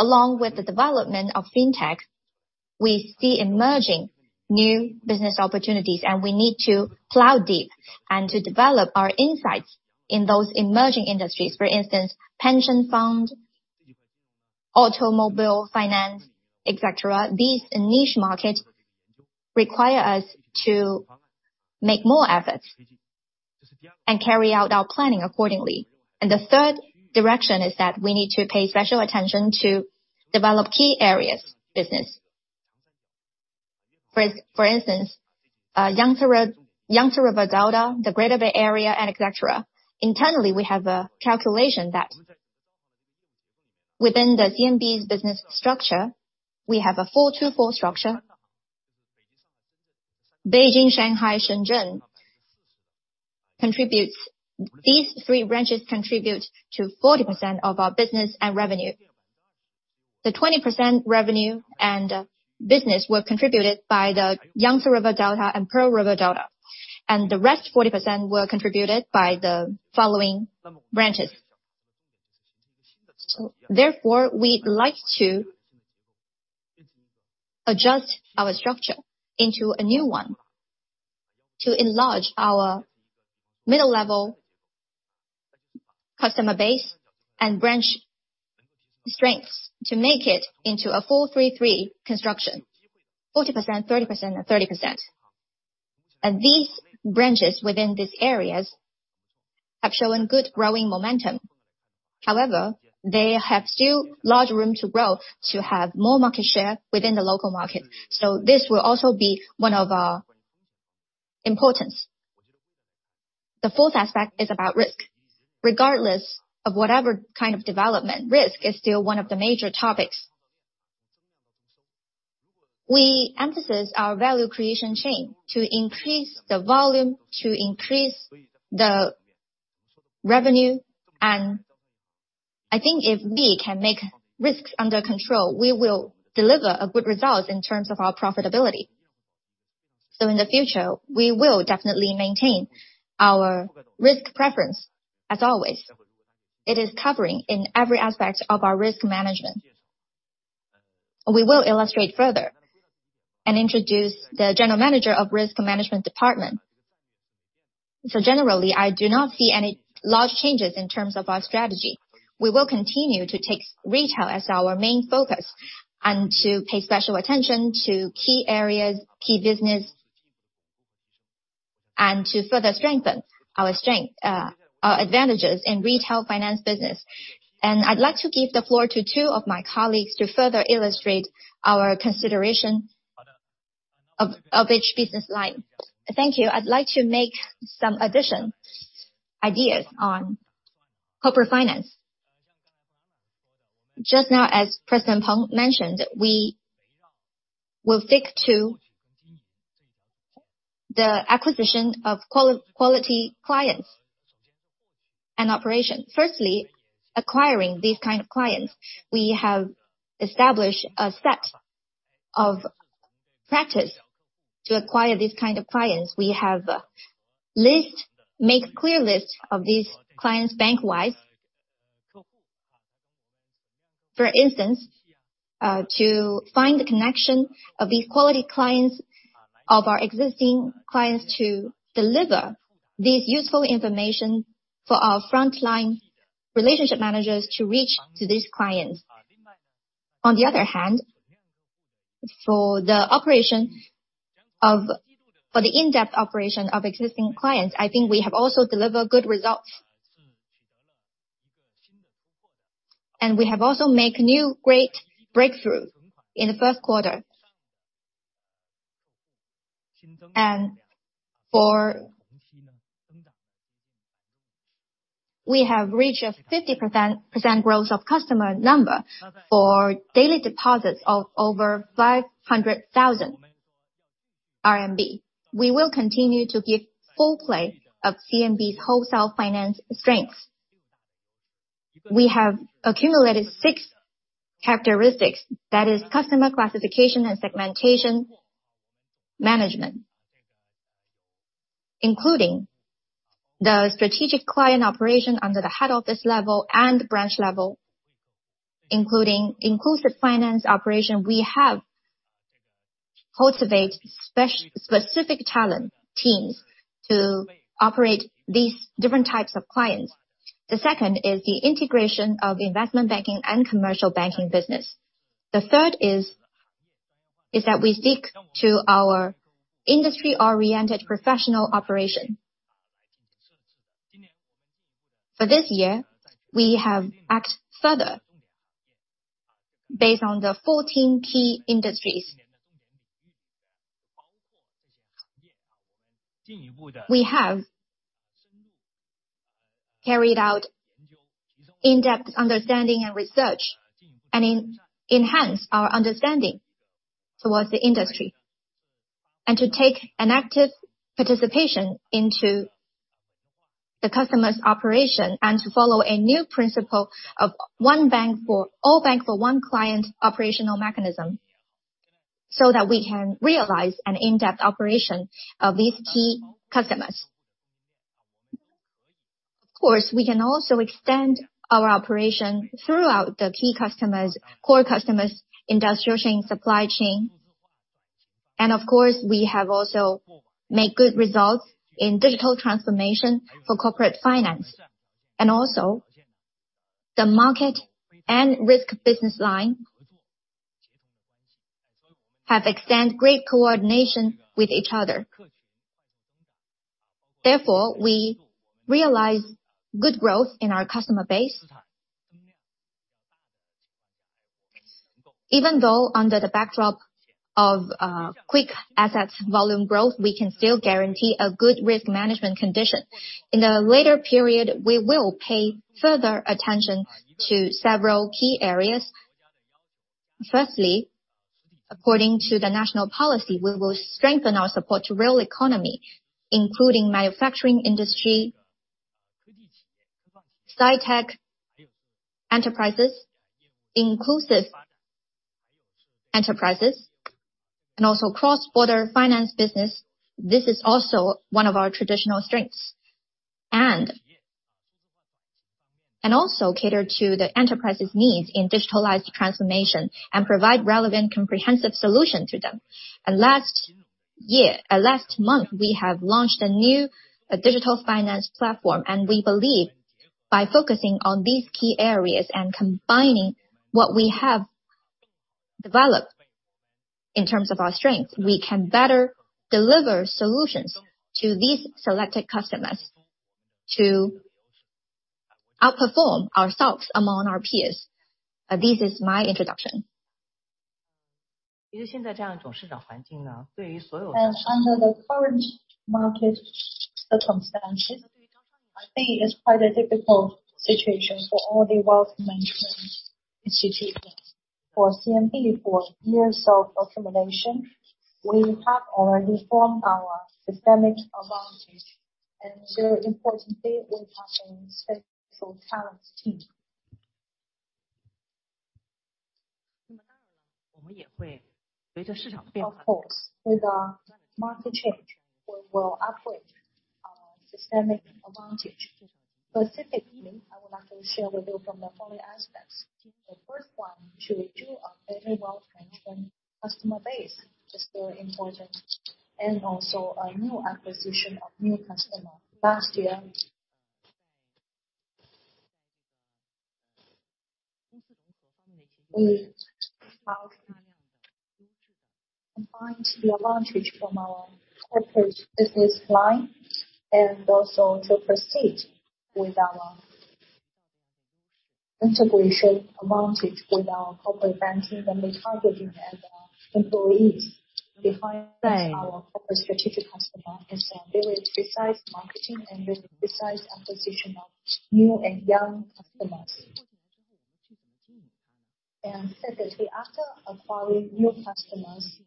构。Automobile finance, et cetera. These niche market require us to make more efforts and carry out our planning accordingly. The third direction is that we need to pay special attention to develop key areas business. For instance, Yangtze River, Yangtze River Delta, the Greater Bay Area and et cetera. Internally, we have a calculation that within the CMB's business structure, we have a 4-2-4 structure. Beijing, Shanghai, Shenzhen, these 3 branches contribute to 40% of our business and revenue. The 20% revenue and business were contributed by the Yangtze River Delta and Pearl River Delta, and the rest 40% were contributed by the following branches. Therefore, we'd like to adjust our structure into a new one to enlarge our middle-level customer base and branch strengths to make it into a 4-3-3 construction. 40%, 30% and 30%. These branches within these areas have shown good growing momentum. However, they have still large room to grow to have more market share within the local market. This will also be one of our importance. The fourth aspect is about risk. Regardless of whatever kind of development, risk is still one of the major topics. We emphasize our value creation chain to increase the volume, to increase the revenue. I think if we can make risks under control, we will deliver a good result in terms of our profitability. In the future, we will definitely maintain our risk preference as always. It is covering in every aspect of our risk management. We will illustrate further and introduce the General Manager of Risk Management Department. Generally, I do not see any large changes in terms of our strategy. We will continue to take retail as our main focus and to pay special attention to key areas, key business, and to further strengthen our strength, our advantages in retail finance business. I'd like to give the floor to two of my colleagues to further illustrate our consideration of each business line. Thank you. I'd like to make some addition ideas on corporate finance. Just now, as President Peng mentioned, we will stick to the acquisition of quality clients and operation. Firstly, acquiring these kind of clients. We have established a set of practice to acquire these kind of clients. We have make clear list of these clients bank-wise. For instance, to find the connection of these quality clients of our existing clients to deliver this useful information for our frontline relationship managers to reach to these clients. On the other hand, for the in-depth operation of existing clients, I think we have also delivered good results. We have also make new great breakthrough in the first quarter. We have reached a 50% growth of customer number for daily deposits of over 500,000 RMB. We will continue to give full play of CMB's wholesale finance strengths. We have accumulated six characteristics. That is customer classification and segmentation management, including the strategic client operation under the head office level and branch level, including inclusive finance operation. We have cultivate specific talent teams to operate these different types of clients. The second is the integration of investment banking and commercial banking business. The third is that we seek to our industry-oriented professional operation. For this year, we have act further based on the 14 key industries. We have carried out in-depth understanding and research to enhance our understanding towards the industry. To take an active participation into the customer's operation and to follow a new principle of one bank for all bank for one client operational mechanism, so that we can realize an in-depth operation of these key customers. Of course, we can also extend our operation throughout the key customers, core customers, industrial chain, supply chain. Of course, we have also made good results in digital transformation for corporate finance. The market and risk business line have extend great coordination with each other. We realize good growth in our customer base. Under the backdrop of quick assets volume growth, we can still guarantee a good risk management condition. In a later period, we will pay further attention to several key areas. Firstly, according to the national policy, we will strengthen our support to real economy, including manufacturing industry, scitech enterprises, inclusive enterprises, and also cross-border finance business. This is also one of our traditional strengths. And also cater to the enterprise's needs in digitalized transformation and provide relevant comprehensive solution to them. Last month, we have launched a new digital finance platform. We believe by focusing on these key areas and combining what we have developed in terms of our strengths, we can better deliver solutions to these selected customers to outperform ourselves among our peers. This is my introduction. Under the current market circumstances, I think it's quite a difficult situation for all the wealth management institutions. For CMB, for years of accumulation, we have already formed our systemic advantage, and very importantly, we have a special talents team. Of course, with the market change, we will upgrade our systemic advantage. Specifically, I would like to share with you from the following aspects. The first one, to do a very well management customer base is very important, and also a new acquisition of new customer. Last year, we found combined the advantage from our corporate business line and also to proceed with our integration advantage with our corporate banking, and we targeting as our employees. Define our corporate strategic customer and their very precise marketing and very precise acquisition of new and young customers. Secondly, after acquiring new customers,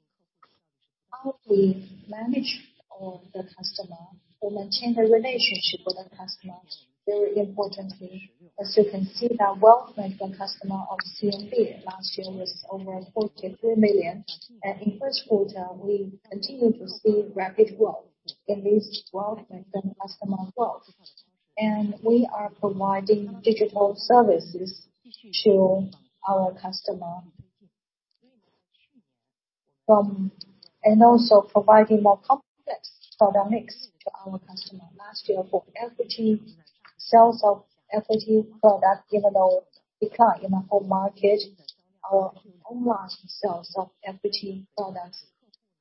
how we manage all the customer to maintain the relationship with the customer is very importantly. As you can see, the wealth management customer of CMB last year was over 43 million. In first quarter, we continue to see rapid growth in this wealth management customer growth. We are providing digital services to our customer from... And also providing more complex product mix to our customer. Last year, for equity sales of equity product, even though decline in the whole market, our online sales of equity products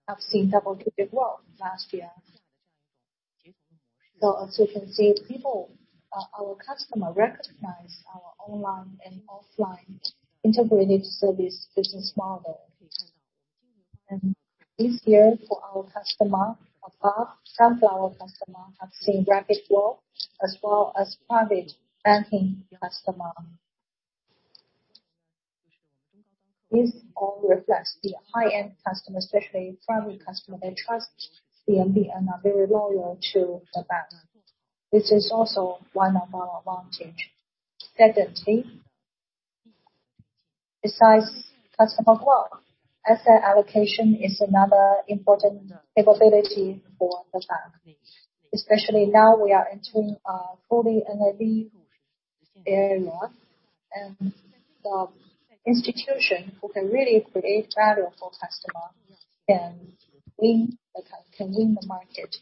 have seen double-digit growth last year. As you can see, people, our customer recognize our online and offline integrated service business model. This year, for our customer of PB, some of our customer have seen rapid growth as well as private banking customer. This all reflects the high-end customer, especially private customer. They trust CMB and are very loyal to the bank. This is also one of our advantage. Secondly, besides customer growth, asset allocation is another important capability for the bank, especially now we are entering a fully NAV area. The institution who can really create value for customer can win the market.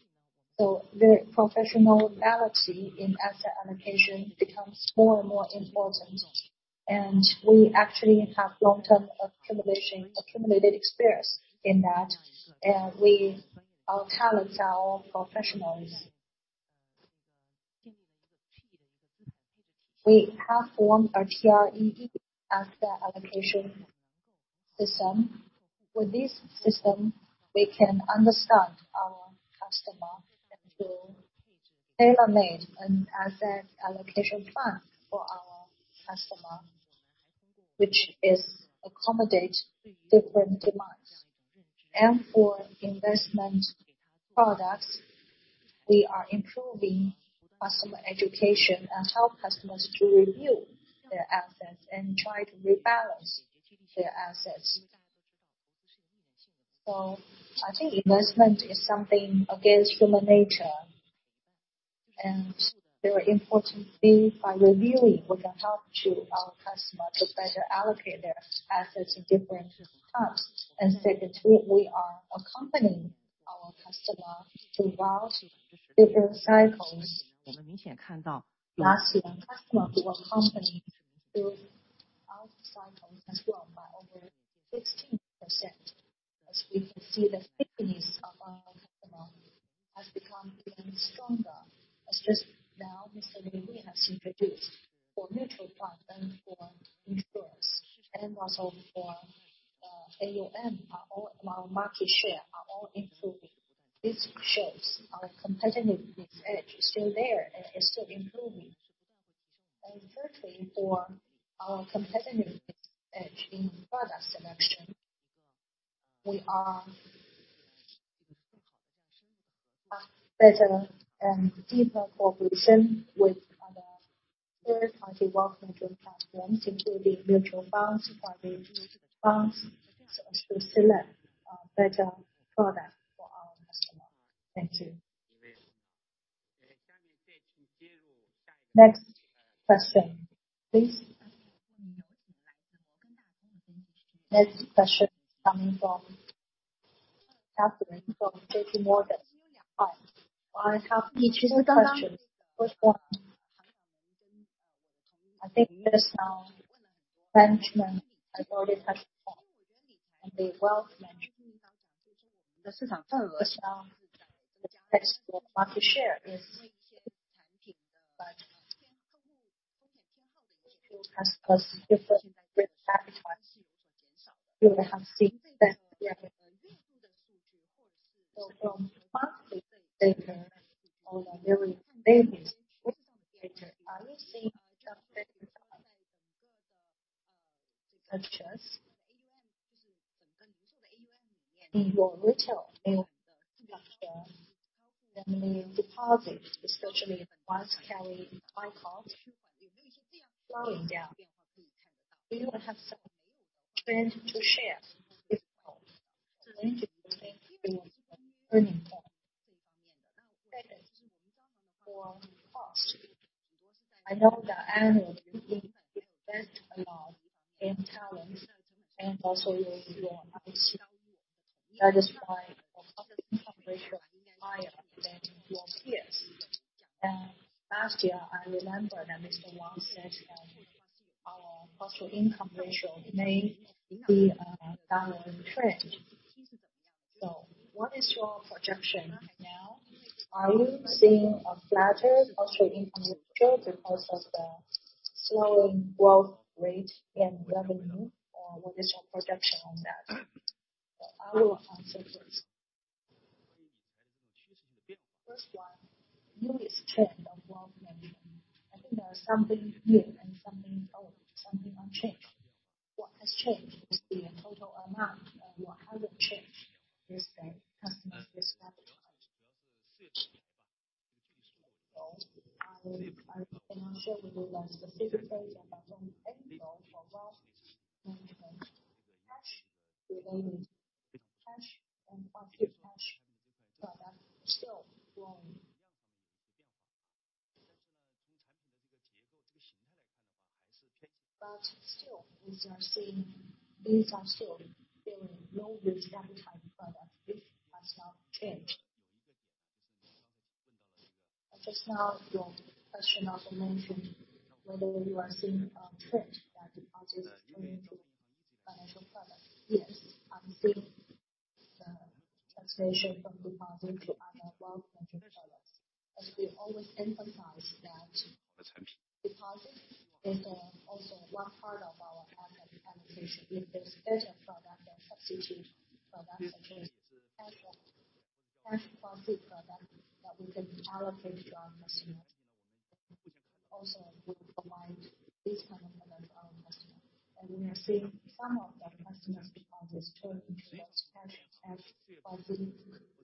The professional ability in asset allocation becomes more and more important. We actually have long-term accumulated experience in that. Our talents are all professionals. We have formed a TREE asset allocation system. With this system, we can understand our customer and to tailor-made an asset allocation plan for our customer, which is accommodate different demands. For investment products, we are improving customer education and help customers to review their assets and try to rebalance their assets. I think investment is something against human nature. They were importantly by reviewing, we can help to our customer to better allocate their assets in different types and say that we are accompanying our customer through all different cycles. Last year, our customer grew accompanied through all cycles as well by over 16%. As we can see, the thickness of our customer has become even stronger as just now Mr. Li has introduced for mutual fund and for insurance and also for AUM, our market share are all improving. This shows our competitiveness edge is still there and is still improving. Thirdly, for our competitiveness edge in product selection, we are Better and deeper cooperation with other third-party wealth management platforms, including mutual funds, private funds, so as to select better products for our customers. Thank you. Next question, please. Next question is coming from JPMorgan. Hi. I have two questions. First one, I think just now management has already touched on the wealth management. Just now, thanks for market share is... Customers different risk appetite. You have seen that, yeah. From monthly data or the daily data, are you seeing some trends in purchase in your retail bank structure? The deposit, especially ones carrying high costs flowing down. Do you have some trend to share with us? When do you think we will reach the turning point? Second, for costs, I know that annually you invest a lot in talent and also your IT. That is why your cost-to-income ratio is higher than your peers. Last year, I remember that Mr. Wang said that our cost-to-income ratio may be a downward trend. What is your projection right now? Are you seeing a flatter cost-to-income ratio because of the slowing growth rate in revenue, or what is your projection on that? I will answer first. First one, newest trend of wealth management. I think there are something new and something old, something unchanged. What has changed is the total amount. What hasn't changed is the customer's risk appetite. I cannot share with you the specific data, but from macro for wealth management, cash related, cash and quasi-cash products still growing. Still we are seeing these are still very low risk appetite products. This has not changed. Just now, your question also mentioned whether you are seeing a trend that deposits turning to financial products. Yes, I'm seeing the translation from deposit to other wealth management products. As we always emphasize that deposit is also one part of our asset allocation. If there's better product or substitute product such as cash or cash deposit product that we can allocate to our customers, also we will provide this kind of product to our customer. We have seen some of the customers' deposits turn into cash and quasi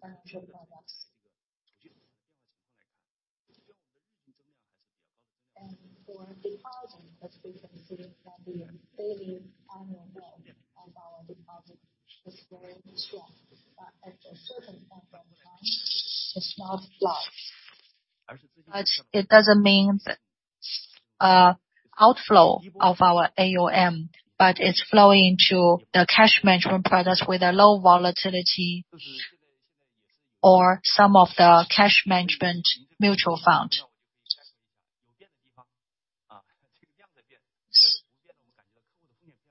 financial products. For deposit as we can see from the daily, annual growth of our deposit is very strong. At a certain point of time, it's not flat. It doesn't mean that outflow of our AUM, but it's flowing to the cash management products with a low volatility or some of the cash management mutual fund.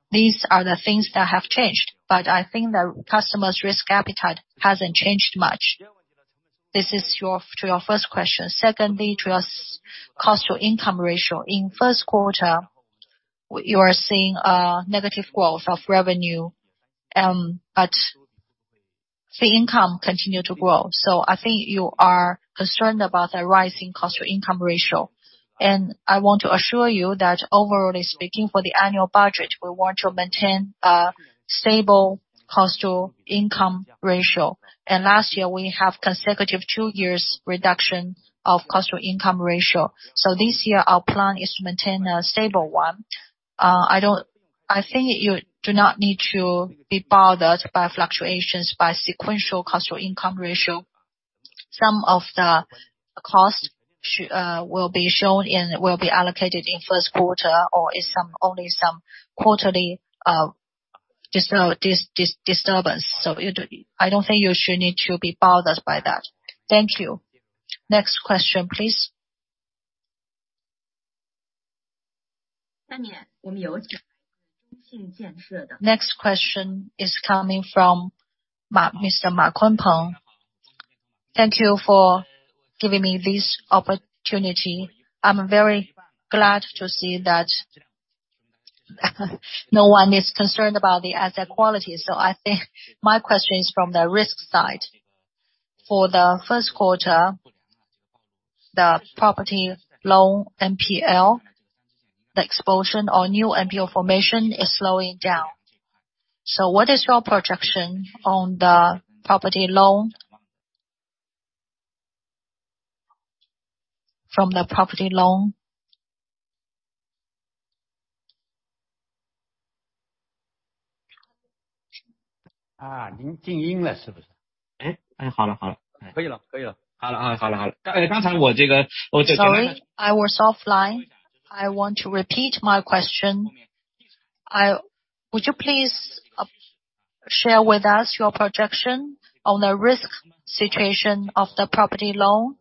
These are the things that have changed, but I think the customer's risk appetite hasn't changed much. This is to your first question. Secondly, to your cost-to-income ratio. In first quarter, we are seeing a negative growth of revenue, but fee income continued to grow. I think you are concerned about the rising cost-to-income ratio. I want to assure you that overall speaking for the annual budget, we want to maintain a stable cost-to-income ratio. Last year, we have consecutive 2 years reduction of cost-to-income ratio. This year, our plan is to maintain a stable one. I don't I think you do not need to be bothered by fluctuations by sequential cost or income ratio. Some of the costs will be shown and will be allocated in first quarter or in only some quarterly disturbance. I don't think you should need to be bothered by that. Thank you. Next question, please. Next question is coming from Mr. Makun Pong. Thank you for giving me this opportunity. I'm very glad to see that no one is concerned about the asset quality. I think my question is from the risk side. For the first quarter, the property loan NPL, the exposure or new NPL formation is slowing down. What is your projection on the property loan? Sorry, I was offline. I want to repeat my question. Would you please share with us your projection on the risk situation of the property loan?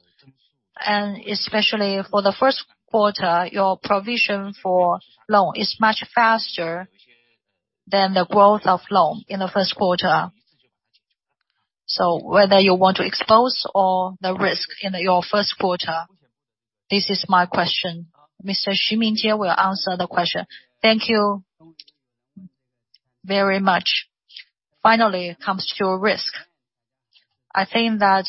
Especially for the first quarter, your provision for loan is much faster than the growth of loan in the first quarter. Whether you want to expose all the risk in your first quarter? This is my question. Mr. Xu Mingjie will answer the question. Thank you very much. Finally comes to a risk. I think that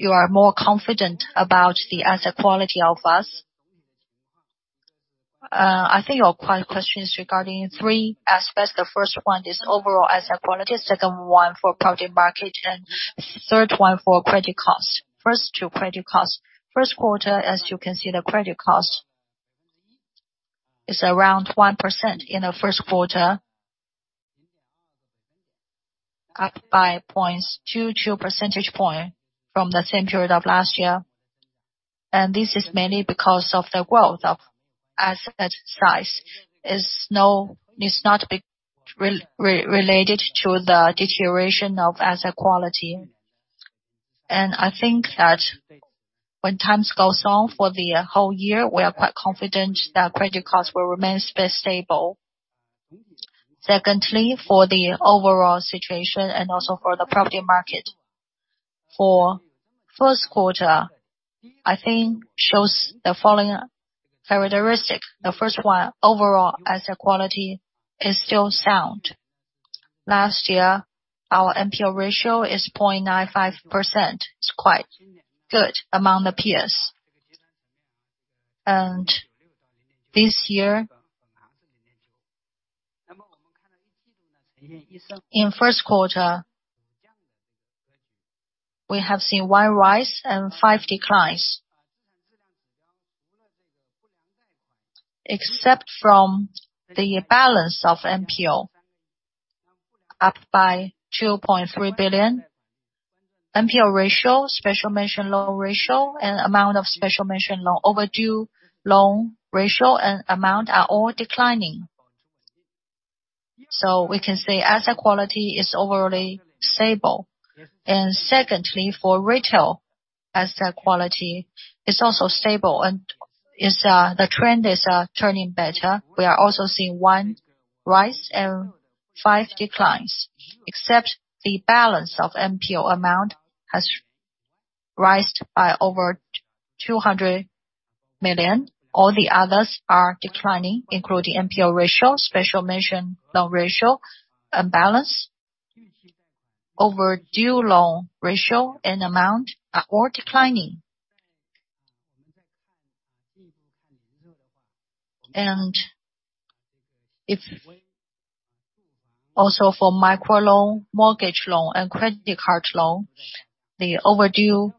you are more confident about the asset quality of us. I think your questions regarding three aspects. The first one is overall asset quality. Second one for property market. Third one for credit cost. First to credit cost. First quarter, as you can see, the credit cost is around 1% in the first quarter. Up by 0.22 percentage point from the same period of last year. This is mainly because of the growth of asset size. It's not related to the deterioration of asset quality. I think that when times goes on for the whole year, we are quite confident that credit costs will remain stable. Secondly, for the overall situation and also for the property market. For first quarter, I think shows the following characteristics. The first one, overall asset quality is still sound. Last year, our NPL ratio is 0.95%. It's quite good among the peers. This year, in first quarter, we have seen one rise and five declines. Except from the balance of NPL, up by 2.3 billion. NPL ratio, special mention loan ratio, and amount of special mention loan, overdue loan ratio, and amount are all declining. We can say asset quality is overly stable. Secondly, for retail asset quality is also stable and the trend is turning better. We are also seeing one rise and five declines. Except the balance of NPL amount has risen by over 200 million. All the others are declining, including NPL ratio, special mention loan ratio and balance, overdue loan ratio, and amount are all declining. Also for microloan, mortgage loan, and credit card loan, the overdue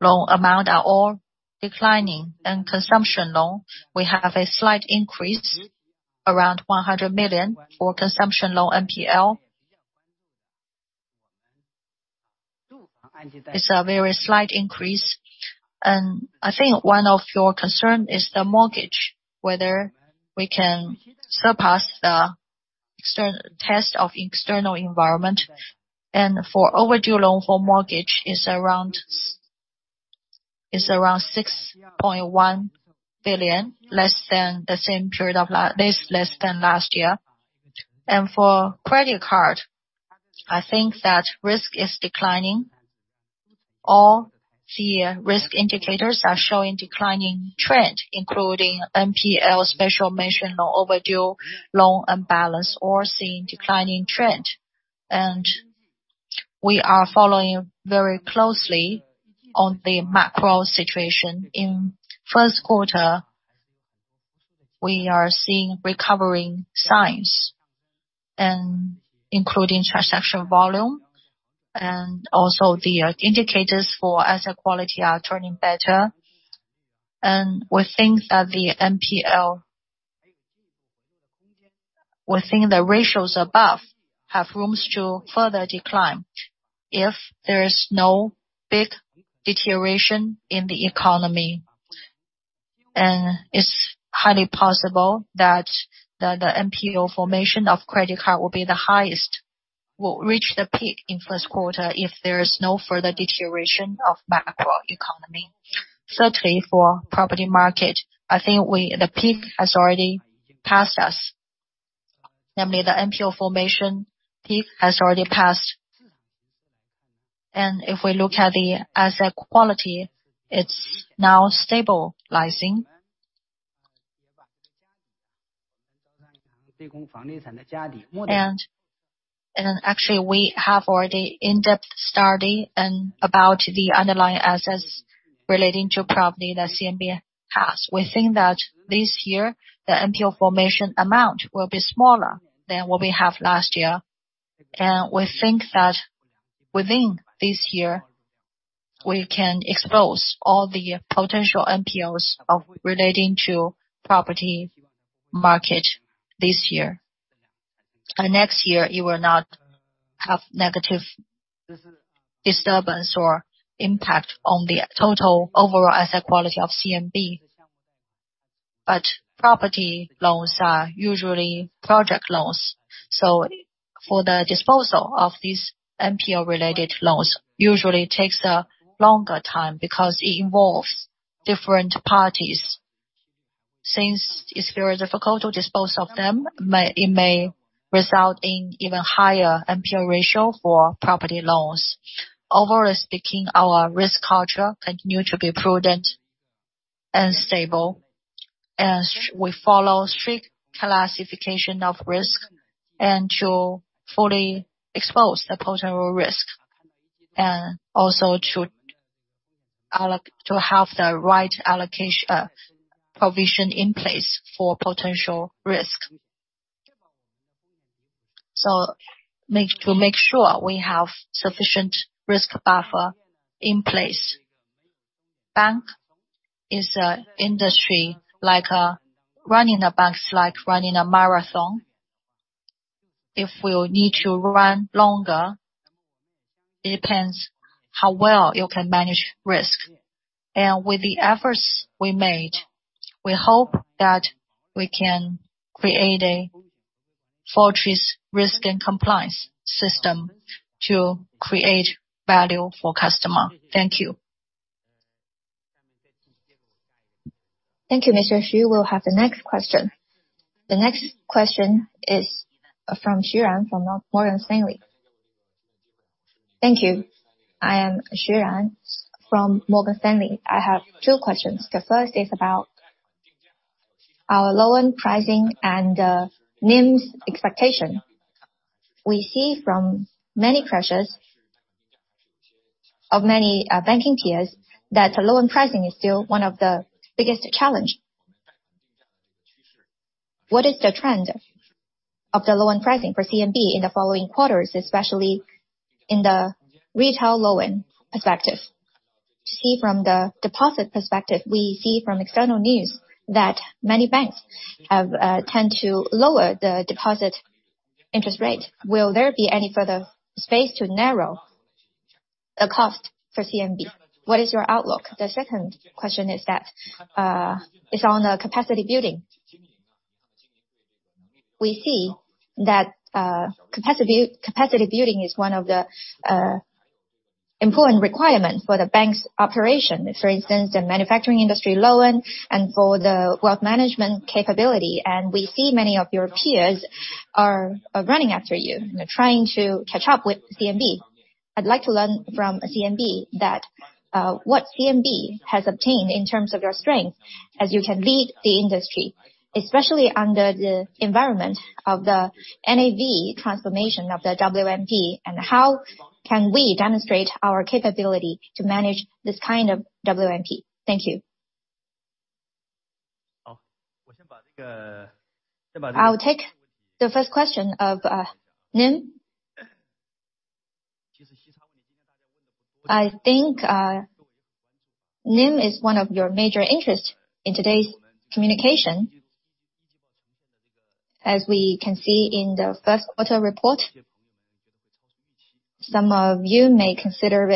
loan amount are all declining. Consumption loan, we have a slight increase, around 100 million for consumption loan NPL. It's a very slight increase. I think one of your concerns is the mortgage, whether we can surpass the test of external environment. For overdue loan for mortgage is around 6.1 billion, less than the same period of last year. For credit card, I think that risk is declining. All the risk indicators are showing declining trend, including NPL, special mention or overdue loan and balance, all seeing declining trend. We are following very closely on the macro situation. In first quarter. We are seeing recovering signs including transaction volume, and also the indicators for asset quality are turning better. We think the ratios above have rooms to further decline if there is no big deterioration in the economy. It's highly possible that the NPL formation of credit card will be the highest, will reach the peak in first quarter if there is no further deterioration of macro economy. Certainly, for property market, I think the peak has already passed us. Namely, the NPL formation peak has already passed. If we look at the asset quality, it's now stabilizing. Actually, we have already in-depth study and about the underlying assets relating to property that CMB has. We think that this year, the NPL formation amount will be smaller than what we have last year. We think that within this year, we can expose all the potential NPLs of relating to property market this year. Next year, it will not have negative disturbance or impact on the total overall asset quality of CMB. Property loans are usually project loans. For the disposal of these NPL-related loans usually takes a longer time because it involves different parties. Since it's very difficult to dispose of them, it may result in even higher NPL ratio for property loans. Overall speaking, our risk culture continue to be prudent and stable as we follow strict classification of risk and to fully expose the potential risk. Also to have the right provision in place for potential risk. To make sure we have sufficient risk buffer in place. Bank is a industry like running a bank is like running a marathon. If we need to run longer, it depends how well you can manage risk. With the efforts we made, we hope that we can create a fortress risk and compliance system to create value for customer. Thank you. Thank you, Mr. Xu. We'll have the next question. The next question is from Xu Ran from Morgan Stanley. Thank you. I am Xu Ran from Morgan Stanley. I have two questions. The first is about our loan pricing and NIM's expectation. We see from many pressures of many banking peers that loan pricing is still one of the biggest challenge. What is the trend of the loan pricing for CMB in the following quarters, especially in the retail loan perspective? To see from the deposit perspective, we see from external news that many banks have tend to lower the deposit interest rate. Will there be any further space to narrow the cost for CMB? What is your outlook? The second question is that is on the capacity building. We see that capacity building is one of the important requirements for the bank's operation. For instance, the manufacturing industry loan and for the wealth management capability. We see many of your peers are running after you and trying to catch up with CMB. I'd like to learn from CMB that what CMB has obtained in terms of your strength as you can lead the industry, especially under the environment of the NAV transformation of the WMP. How can we demonstrate our capability to manage this kind of WMP? Thank you. I'll take the first question of NIM. I think NIM is one of your major interest in today's communication. As we can see in the first quarter report, some of you may figure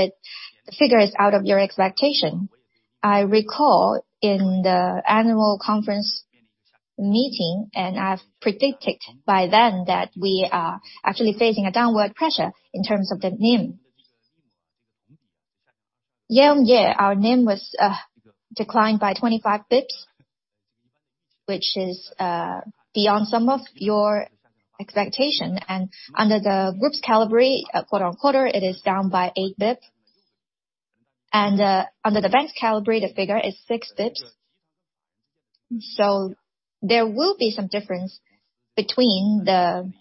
it's out of your expectation. I recall in the annual conference meeting, I've predicted by then that we are actually facing a downward pressure in terms of the NIM. Year-on-year, our NIM was declined by 25 basis points, which is beyond some of your expectation. Under the group's calibrate, quarter-on-quarter, it is down by 8 basis points. Under the bank's calibrate, the figure is 6 basis points. There will be some difference between the.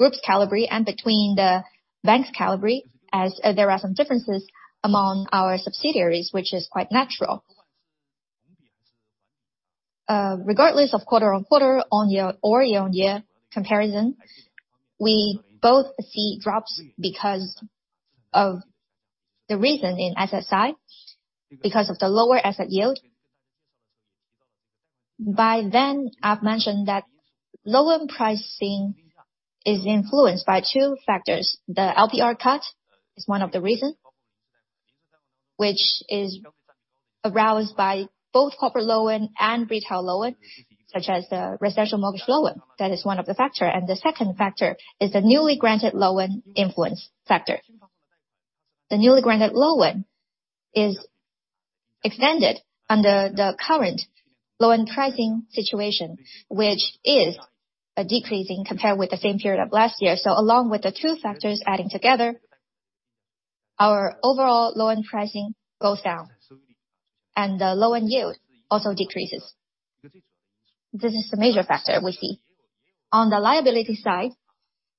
Group's caliber and between the bank's caliber as there are some differences among our subsidiaries, which is quite natural. Regardless of quarter-on-quarter or year-on-year comparison, we both see drops because of the reason in SSI, because of the lower asset yield. I've mentioned that loan pricing is influenced by two factors. The LPR cut is one of the reason, which is aroused by both corporate loan and retail loan, such as the residential mortgage loan. That is one of the factor. The second factor is the newly granted loan influence factor. The newly granted loan is extended under the current loan pricing situation, which is a decreasing compared with the same period of last year. Along with the two factors adding together, our overall loan pricing goes down, and the loan yield also decreases. This is the major factor we see. On the liability side,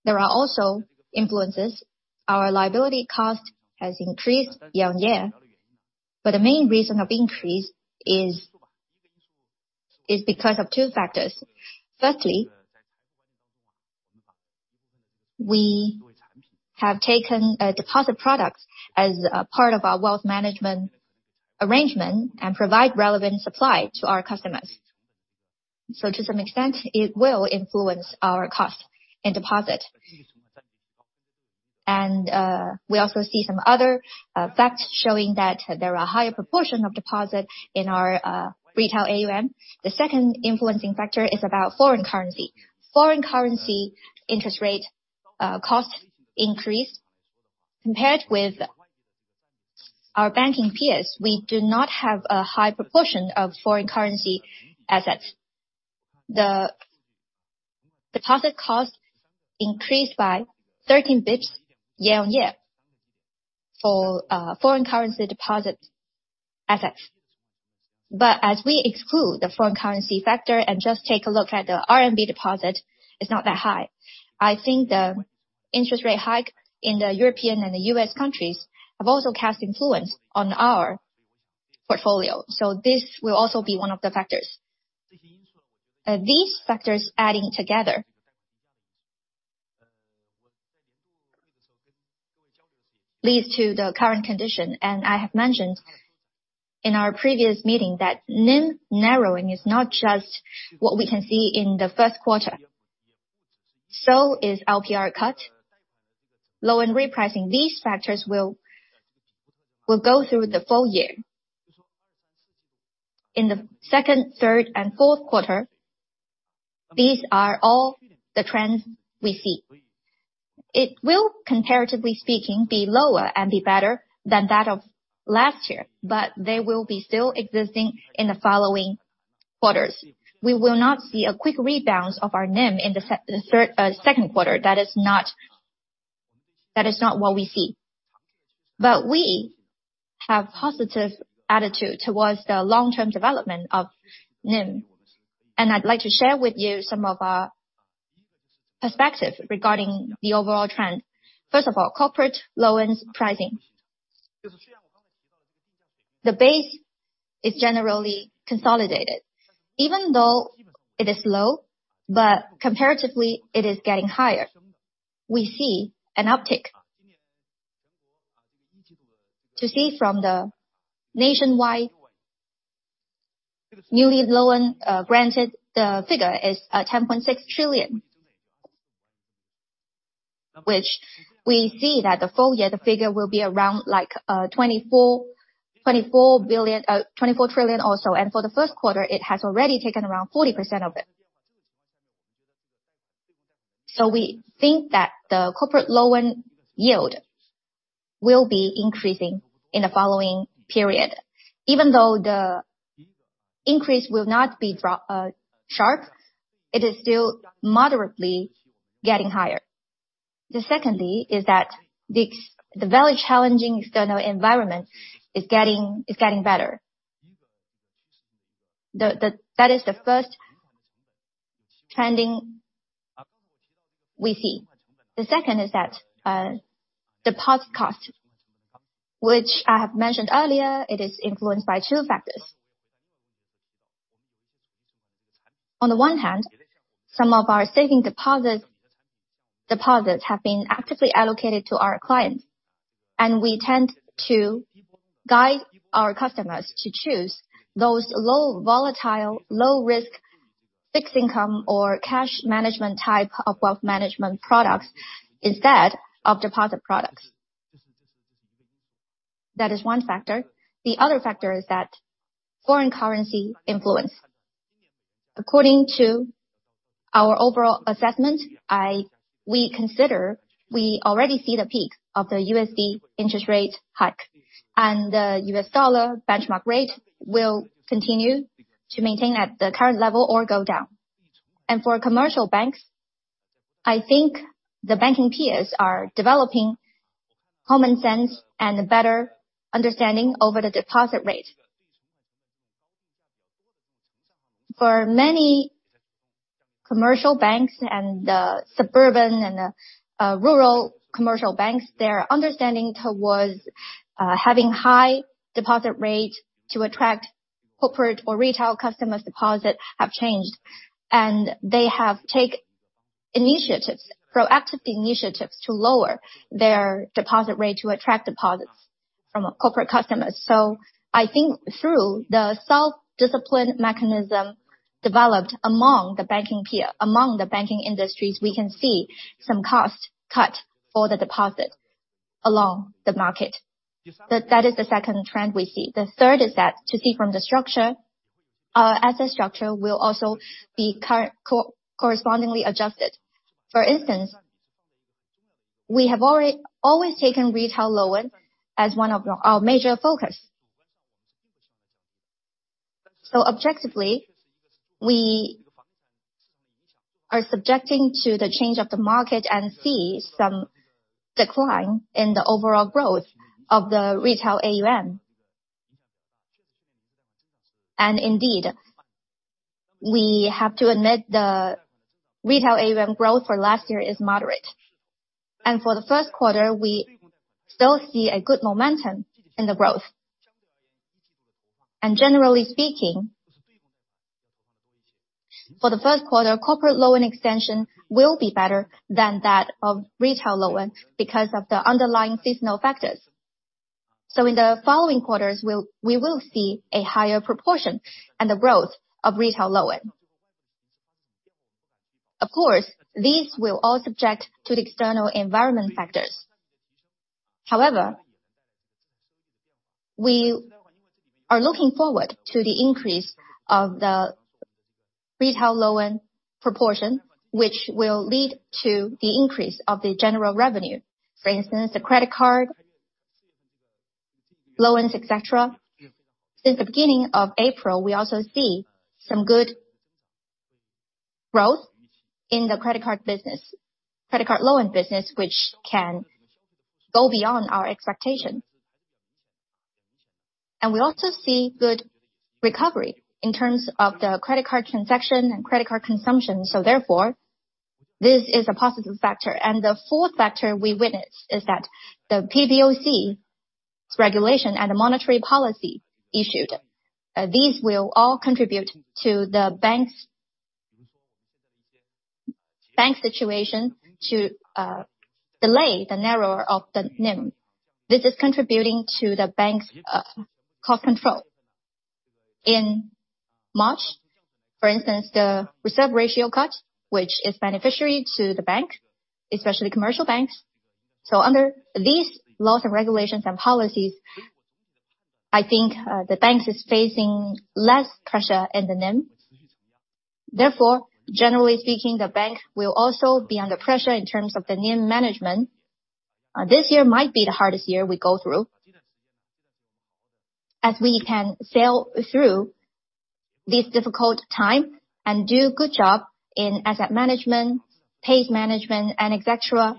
there are also influences. Our liability cost has increased year-on-year, but the main reason of increase is because of two factors. Firstly, we have taken a deposit product as a part of our wealth management arrangement and provide relevant supply to our customers. To some extent, it will influence our cost and deposit. We also see some other facts showing that there are higher proportion of deposit in our retail AUM. The second influencing factor is about foreign currency. Foreign currency interest rate cost increase. Compared with our banking peers, we do not have a high proportion of foreign currency assets. The deposit cost increased by 13 BPS year-on-year for foreign currency deposit assets. As we exclude the foreign currency factor and just take a look at the RMB deposit, it's not that high. I think the interest rate hike in the European and the US countries have also cast influence on our portfolio. This will also be one of the factors. These factors adding together leads to the current condition, and I have mentioned in our previous meeting that NIM narrowing is not just what we can see in the first quarter. Is LPR cut, loan repricing. These factors will go through the full year. In the second, third and fourth quarter, these are all the trends we see. It will, comparatively speaking, be lower and be better than that of last year, but they will be still existing in the following quarters. We will not see a quick rebalance of our NIM in the second quarter. That is not what we see. We have positive attitude towards the long-term development of NIM, and I'd like to share with you some of our perspective regarding the overall trend. First of all, corporate loans pricing. The base is generally consolidated. Even though it is low, but comparatively, it is getting higher. We see an uptick. To see from the nationwide newly loan granted, the figure is 10.6 trillion, which we see that the full year, the figure will be around, like, 24 trillion or so. For the first quarter, it has already taken around 40% of it. We think that the corporate loan yield will be increasing in the following period. Even though the increase will not be sharp, it is still moderately getting higher. The secondly is that the very challenging external environment is getting better. That is the first trending we see. The second is that deposit cost, which I have mentioned earlier, it is influenced by two factors. On the one hand, some of our saving deposits have been actively allocated to our clients, and we tend to guide our customers to choose those low-volatile, low-risk fixed income or cash management type of wealth management products instead of deposit products. That is one factor. The other factor is that foreign currency influence. According to our overall assessment, we consider we already see the peak of the USD interest rate hike, and the US dollar benchmark rate will continue to maintain at the current level or go down. For commercial banks, I think the banking peers are developing common sense and a better understanding over the deposit rate. For many commercial banks and suburban and rural commercial banks, their understanding towards having high deposit rate to attract corporate or retail customers' deposit have changed, and they have proactive initiatives to lower their deposit rate to attract deposits from our corporate customers. I think through the self-discipline mechanism developed among the banking industries, we can see some cost cut for the deposit along the market. That is the second trend we see. The third is that to see from the structure. Our asset structure will also be co-correspondingly adjusted. For instance, we have always taken retail loan as one of our major focus. Objectively, we are subjecting to the change of the market and see some decline in the overall growth of the retail AUM. Indeed, we have to admit the retail AUM growth for last year is moderate. For the first quarter, we still see a good momentum in the growth. Generally speaking, for the first quarter, corporate loan extension will be better than that of retail loan because of the underlying seasonal factors. In the following quarters, we will see a higher proportion and the growth of retail loan. Of course, these will all subject to the external environment factors. However, we are looking forward to the increase of the retail loan proportion, which will lead to the increase of the general revenue, for instance, the credit card loans, et cetera. Since the beginning of April, we also see some good growth in the credit card business, credit card loan business, which can go beyond our expectation. We also see good recovery in terms of the credit card transaction and credit card consumption. Therefore, this is a positive factor. The fourth factor we witness is that the PBOC's regulation and the monetary policy issued. These will all contribute to the bank's situation to delay the narrower of the NIM. This is contributing to the bank's cost control. In March, for instance, the reserve ratio cut, which is beneficiary to the bank, especially commercial banks. Under these laws and regulations and policies, I think the banks is facing less pressure in the NIM. Therefore, generally speaking, the bank will also be under pressure in terms of the NIM management. This year might be the hardest year we go through. We can sail through this difficult time and do good job in asset management, pace management, and et cetera,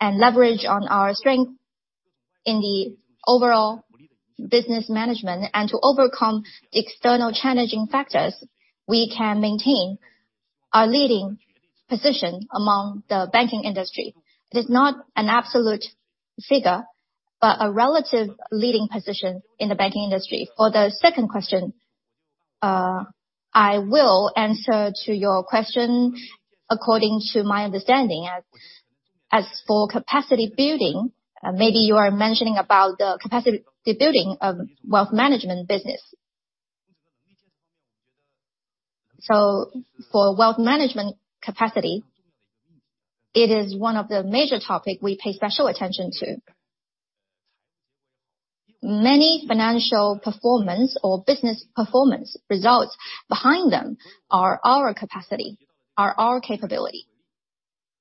and leverage on our strength in the overall business management, and to overcome the external challenging factors, we can maintain our leading position among the banking industry. It is not an absolute figure, but a relative leading position in the banking industry. For the second question, I will answer to your question according to my understanding. As for capacity building, maybe you are mentioning about the capacity building of wealth management business. For wealth management capacity, it is one of the major topic we pay special attention to. Many financial performance or business performance results behind them are our capacity, are our capability.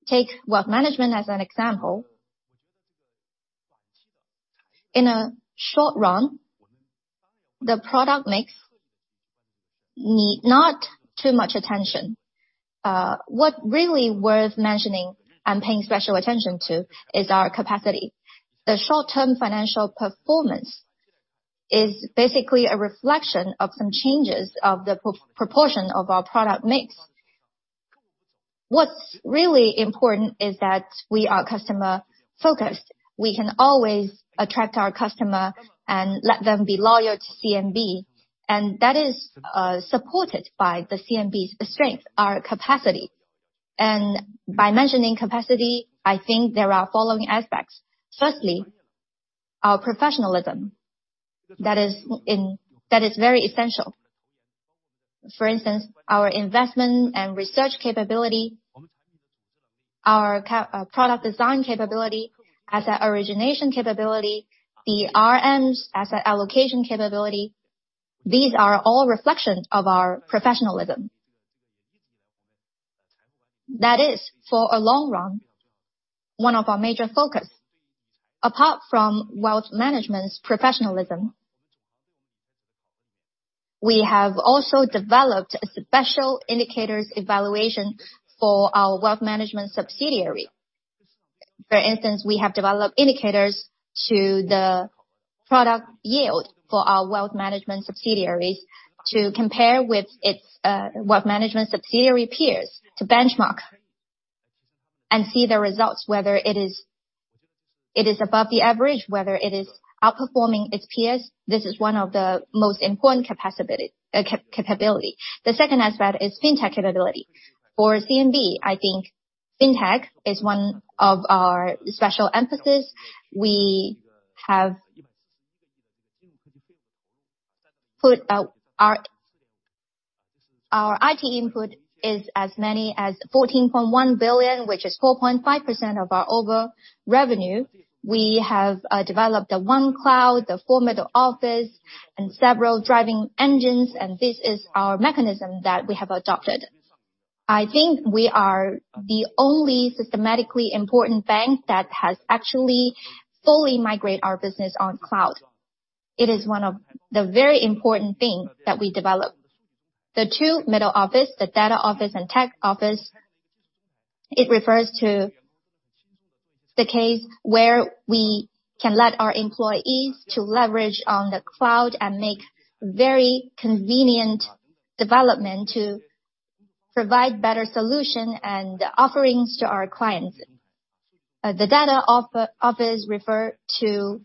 Take wealth management as an example. In a short run, the product mix need not too much attention. What really worth mentioning and paying special attention to is our capacity. The short-term financial performance is basically a reflection of some changes of the pro-proportion of our product mix. What's really important is that we are customer-focused. We can always attract our customer and let them be loyal to CMB, and that is supported by the CMB's strength, our capacity. By mentioning capacity, I think there are following aspects. Firstly, our professionalism, that is very essential. For instance, our investment and research capability, our product design capability, asset origination capability, the RM's asset allocation capability. These are all reflections of our professionalism. That is, for a long run, one of our major focus. Apart from wealth management's professionalism, we have also developed a special indicators evaluation for our wealth management subsidiary. For instance, we have developed indicators to the product yield for our wealth management subsidiaries to compare with its wealth management subsidiary peers to benchmark and see the results, whether it is above the average, whether it is outperforming its peers. This is one of the most important capability. The second aspect is fintech capability. For CMB, I think fintech is one of our special emphasis. We have put our IT input is as many as 14.1 billion, which is 4.5% of our overall revenue. We have developed the OneCloud, the four middle office, and several driving engines, and this is our mechanism that we have adopted. I think we are the only systematically important bank that has actually fully migrate our business on cloud. It is one of the very important thing that we developed. The two middle office, the data office and tech office, it refers to the case where we can let our employees to leverage on the cloud and make very convenient development to provide better solution and offerings to our clients. The data office refer to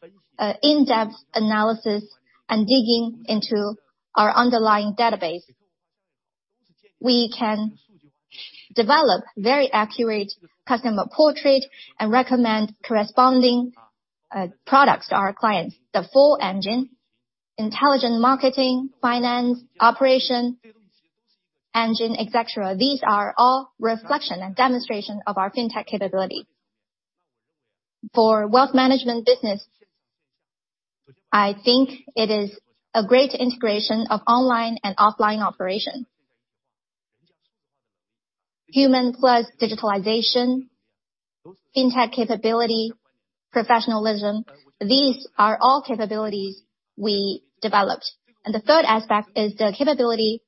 in-depth analysis and digging into our underlying database. We can develop very accurate customer portrait and recommend corresponding products to our clients. The four engine, intelligent marketing, finance, operation, engine, et cetera. These are all reflection and demonstration of our fintech capability. For wealth management business, I think it is a great integration of online and offline operation. Human plus digitalization, fintech capability, professionalism, these are all capabilities we developed. The third aspect is the capability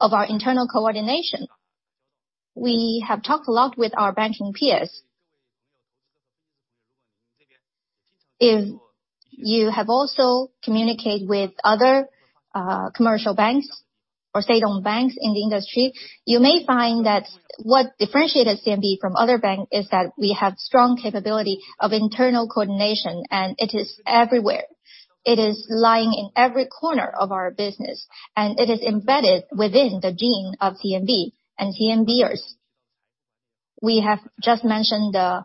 of our internal coordination. We have talked a lot with our banking peers. If you have also communicated with other commercial banks or state-owned banks in the industry, you may find that what differentiates CMB from other bank is that we have strong capability of internal coordination, and it is everywhere. It is lying in every corner of our business, and it is embedded within the gene of CMB and CMBers. We have just mentioned the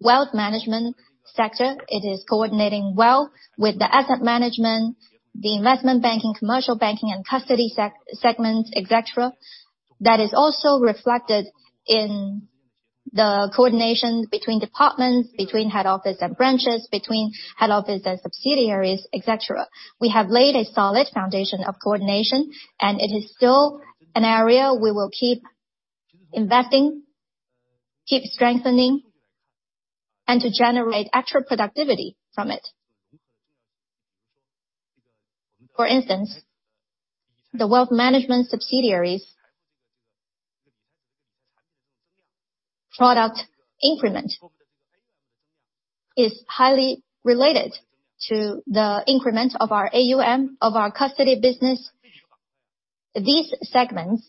wealth management sector. It is coordinating well with the asset management, the investment banking, commercial banking, and custody segment, et cetera. That is also reflected in the coordination between departments, between head office and branches, between head office and subsidiaries, et cetera. We have laid a solid foundation of coordination, and it is still an area we will keep investing, keep strengthening, and to generate actual productivity from it. For instance, the wealth management subsidiaries product increment is highly related to the increment of our AUM, of our custody business. These segments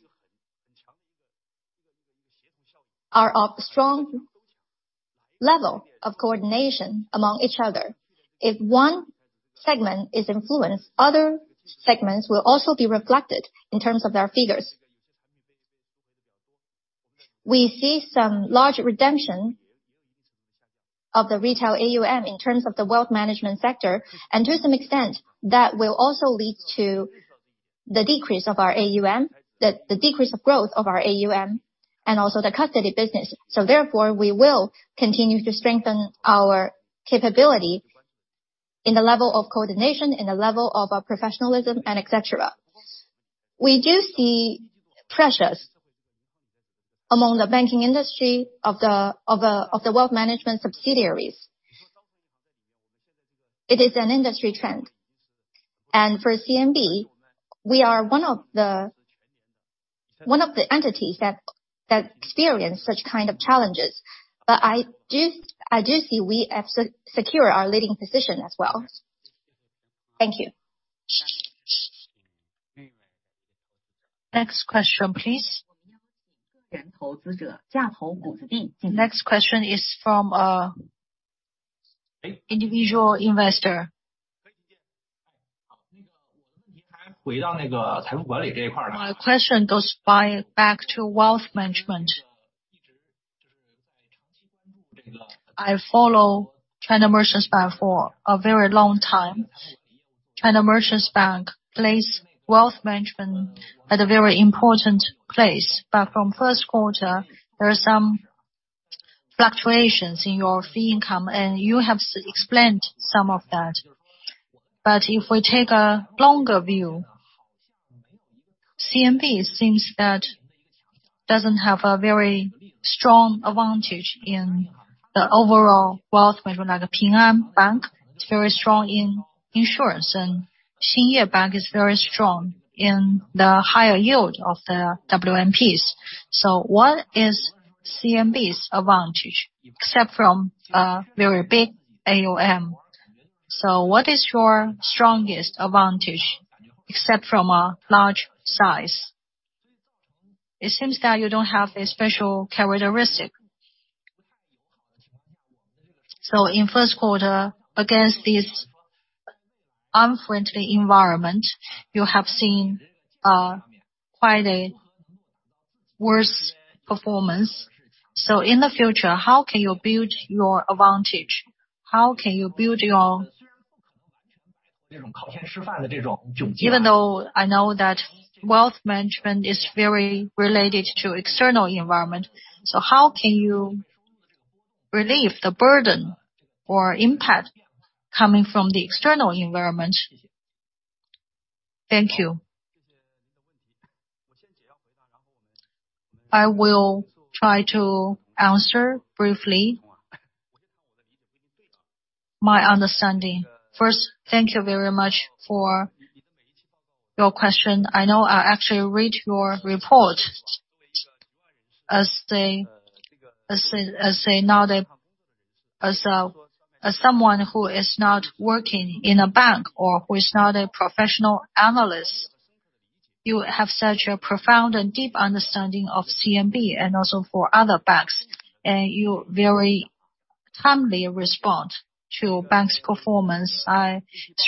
are of strong level of coordination among each other. If one segment is influenced, other segments will also be reflected in terms of their figures. We see some large redemption of the retail AUM in terms of the wealth management sector, and to some extent, that will also lead to the decrease of our AUM, the decrease of growth of our AUM and also the custody business. Therefore, we will continue to strengthen our capability in the level of coordination, in the level of our professionalism, and et cetera. We do see pressures among the banking industry of the wealth management subsidiaries. It is an industry trend. For CMB, we are one of the entities that experience such kind of challenges. I do see we have secure our leading position as well. Thank you. Next question, please. Next question is from a individual investor. My question back to wealth management. I follow China Merchants Bank for a very long time. China Merchants Bank place wealth management at a very important place. From first quarter, there are some fluctuations in your fee income, and you have explained some of that. If we take a longer view, CMB seems that doesn't have a very strong advantage in the overall wealth management like Ping An Bank. It's very strong in insurance, and Xingye Bank is very strong in the higher yield of the WMPs. What is CMB's advantage except from very big AUM? What is your strongest advantage except from a large size? It seems that you don't have a special characteristic. In first quarter, against this unfriendly environment, you have seen quite a worse performance. In the future, how can you build your advantage? How can you build your. Even though I know that wealth management is very related to external environment. How can you relieve the burden or impact coming from the external environment? Thank you. I will try to answer briefly. My understanding. First, thank you very much for your question. I know I actually read your report as someone who is not working in a bank or who is not a professional analyst. You have such a profound and deep understanding of CMB and also for other banks, and you very timely respond to bank's performance.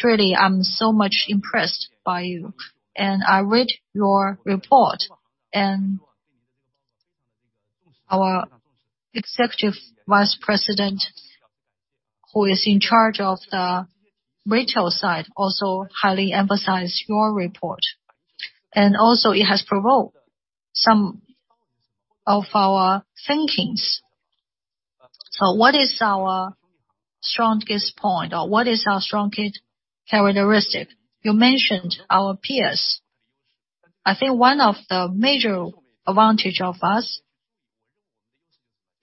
Really, I'm so much impressed by you. I read your report, and... Our Executive Vice President, who is in charge of the retail side, also highly emphasize your report, and also it has provoked some of our thinkings. What is our strongest point or what is our strongest characteristic? You mentioned our peers. I think one of the major advantage of us,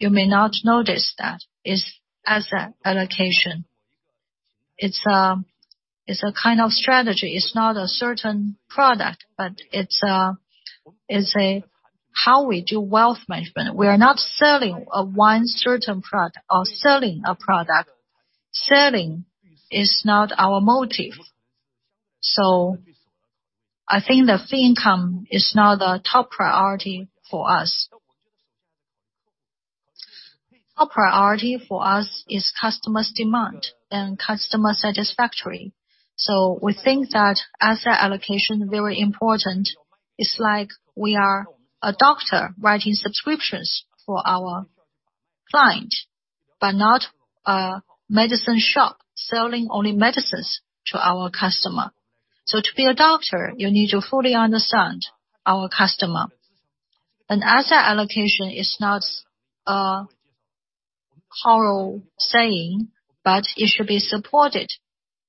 you may not notice that, is asset allocation. It's a kind of strategy. It's not a certain product, but it's a how we do wealth management. We are not selling a one certain product or selling a product. Selling is not our motive. I think the fee income is not a top priority for us. Top priority for us is customer's demand and customer satisfactory. We think that asset allocation is very important. It's like we are a doctor writing subscriptions for our client, but not a medicine shop selling only medicines to our customer. To be a doctor, you need to fully understand our customer. An asset allocation is not a hollow saying, but it should be supported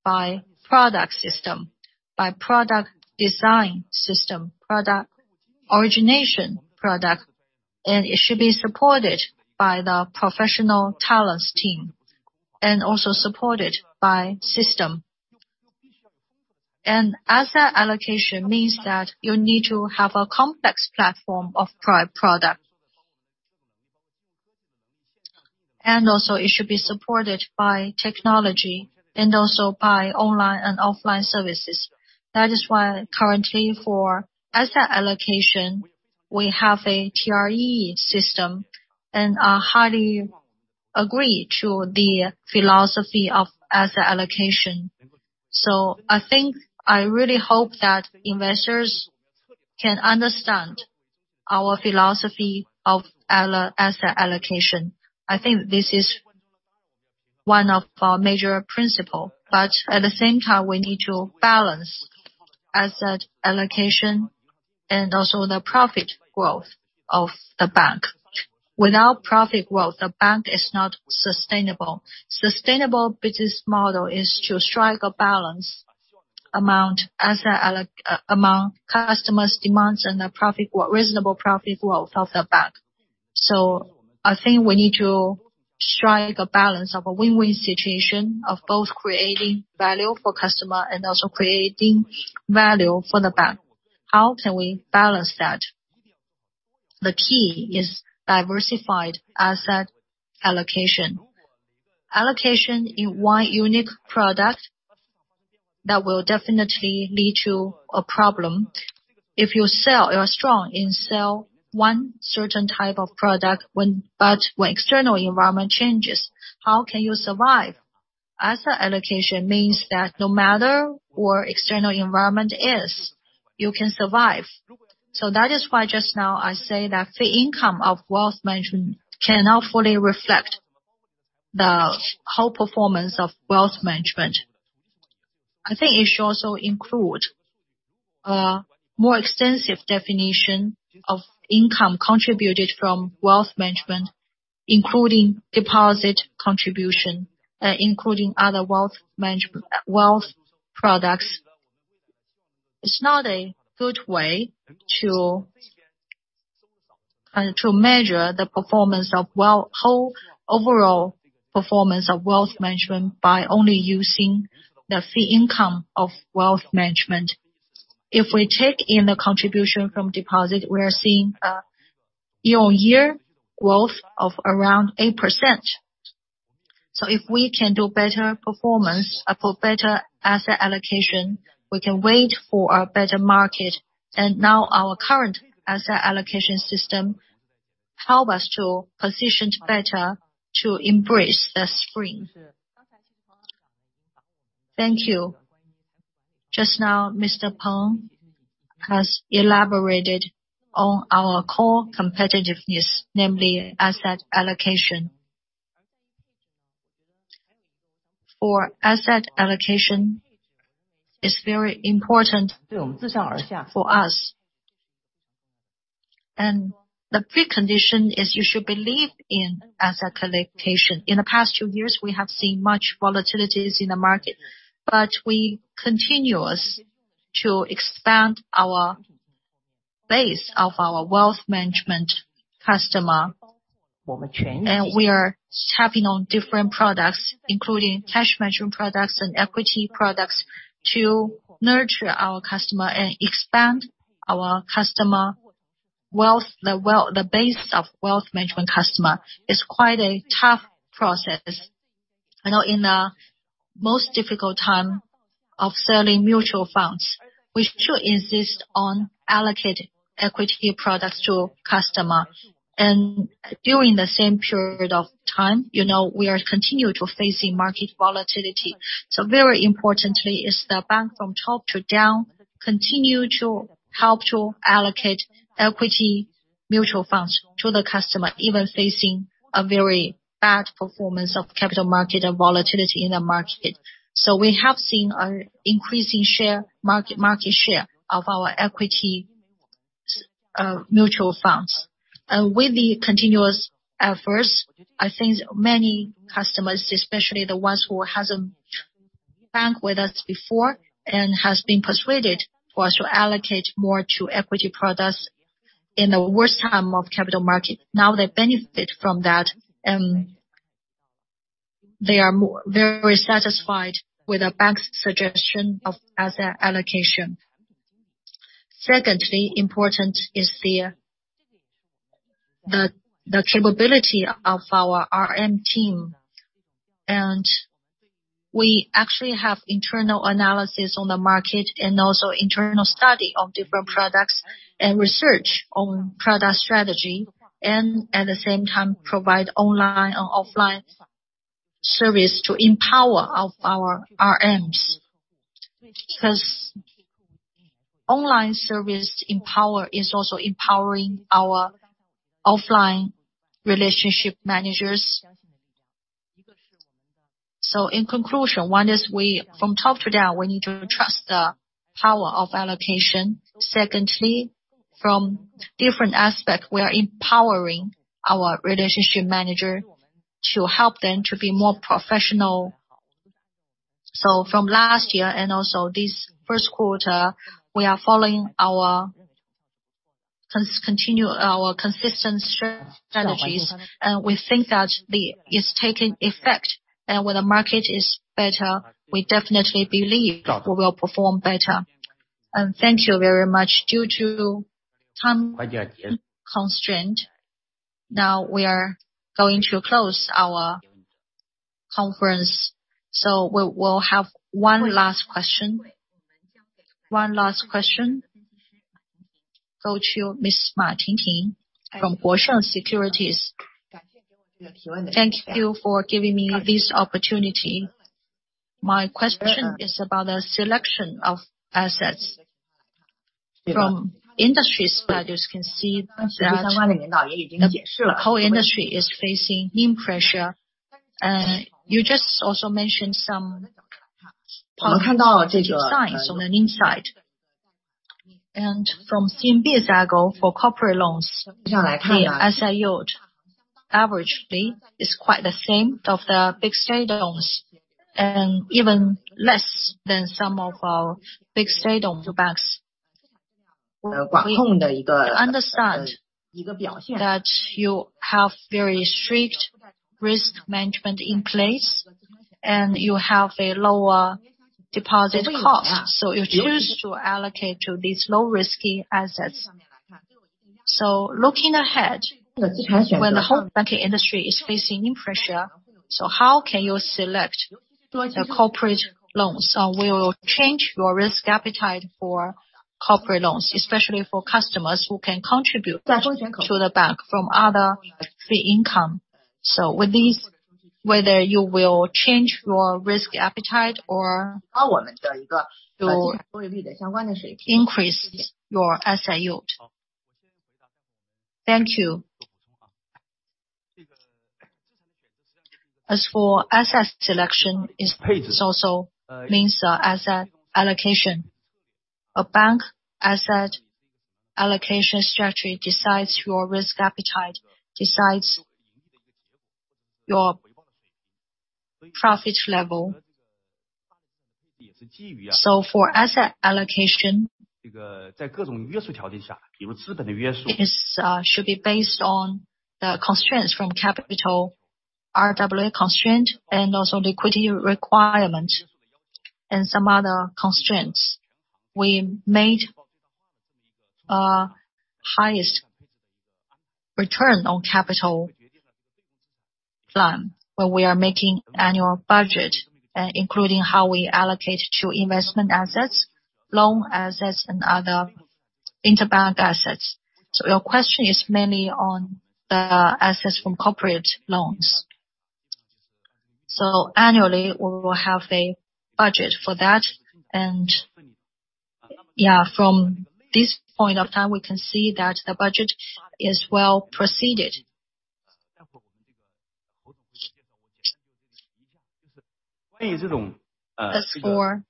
by product system, by product design system, product origination product, and it should be supported by the professional talents team, and also supported by system. An asset allocation means that you need to have a complex platform of product. Also it should be supported by technology and also by online and offline services. That is why currently for asset allocation, we have a TRE system and I highly agree to the philosophy of asset allocation. I think I really hope that investors can understand our philosophy of asset allocation. I think this is one of our major principle, but at the same time, we need to balance asset allocation and also the profit growth of the bank. Without profit growth, the bank is not sustainable. Sustainable business model is to strike a balance among customers' demands and the reasonable profit growth of the bank. I think we need to strike a balance of a win-win situation of both creating value for customer and also creating value for the bank. How can we balance that? The key is diversified asset allocation. Allocation in one unique product, that will definitely lead to a problem. If you are strong in sell one certain type of product, but when external environment changes, how can you survive? Asset allocation means that no matter what external environment is, you can survive. That is why just now I say that fee income of wealth management cannot fully reflect the whole performance of wealth management. I think it should also include a more extensive definition of income contributed from wealth management, including deposit contribution, including other wealth products. It's not a good way to measure the performance of whole overall performance of wealth management by only using the fee income of wealth management. If we take in the contribution from deposit, we are seeing a year-on-year growth of around 8%. If we can do better performance, for better asset allocation, we can wait for a better market. Now our current asset allocation system help us to position better to embrace the spring. Thank you. Just now, Mr. Pang has elaborated on our core competitiveness, namely asset allocation. For asset allocation, it's very important for us. The precondition is you should believe in asset allocation. In the past two years, we have seen much volatilities in the market, but we continue to expand our base of wealth management customers. We are tapping on different products, including cash management products and equity products to nurture our customers and expand our customer wealth. The base of wealth management customers is quite a tough process. I know in the most difficult time of selling mutual funds, we should insist on allocating equity products to customers. During the same period of time, you know, we are continuing to face market volatility. Very important is the bank from top to down continues to help to allocate equity mutual funds to the customers, even facing a very bad performance of capital market and volatility in the market. We have seen an increasing share market share of our equity mutual funds. With the continuous efforts, I think many customers, especially the ones who hasn't bank with us before and has been persuaded for us to allocate more to equity products in the worst time of capital market, now they benefit from that and they are very satisfied with the bank's suggestion of asset allocation. Secondly, important is the capability of our RM team. We actually have internal analysis on the market and also internal study of different products and research on product strategy, and at the same time provide online and offline service to empower of our RMs. Because online service empower is also empowering our offline relationship managers. In conclusion, one is from top to down, we need to trust the power of allocation. Secondly, from different aspect, we are empowering our relationship manager to help them to be more professional. From last year and also this first quarter, we are following our continue our consistent strategies. We think that it's taking effect. When the market is better, we definitely believe we will perform better. Thank you very much. Due to time constraint, now we are going to close our conference. We will have one last question. One last question go to Miss Tingting Ma from Guosheng Securities. Thank you for giving me this opportunity. My question is about the selection of assets. From industry studies can see that the whole industry is facing NIM pressure. You just also mentioned some positive signs on the NIM side. From CMB's angle, for corporate loans, the asset yield averagely is quite the same of the big state owns and even less than some of our big state own banks. We understand that you have very strict risk management in place, and you have a lower deposit cost, so you choose to allocate to these low-risky assets. Looking ahead, when the whole banking industry is facing NIM pressure, so how can you select the corporate loans? Will you change your risk appetite for corporate loans, especially for customers who can contribute to the bank from other fee income? With this, whether you will change your risk appetite or you increase your asset yield? Thank you. As for asset selection, it also means asset allocation. A bank asset allocation strategy decides your risk appetite, decides your profit level. For asset allocation, it is should be based on the constraints from capital RWA constraint and also liquidity requirement and some other constraints. We made a highest return on capital plan when we are making annual budget, including how we allocate to investment assets, loan assets and other interbank assets. Your question is mainly on the assets from corporate loans. Annually, we will have a budget for that. Yeah, from this point of time, we can see that the budget is well-proceeded. As for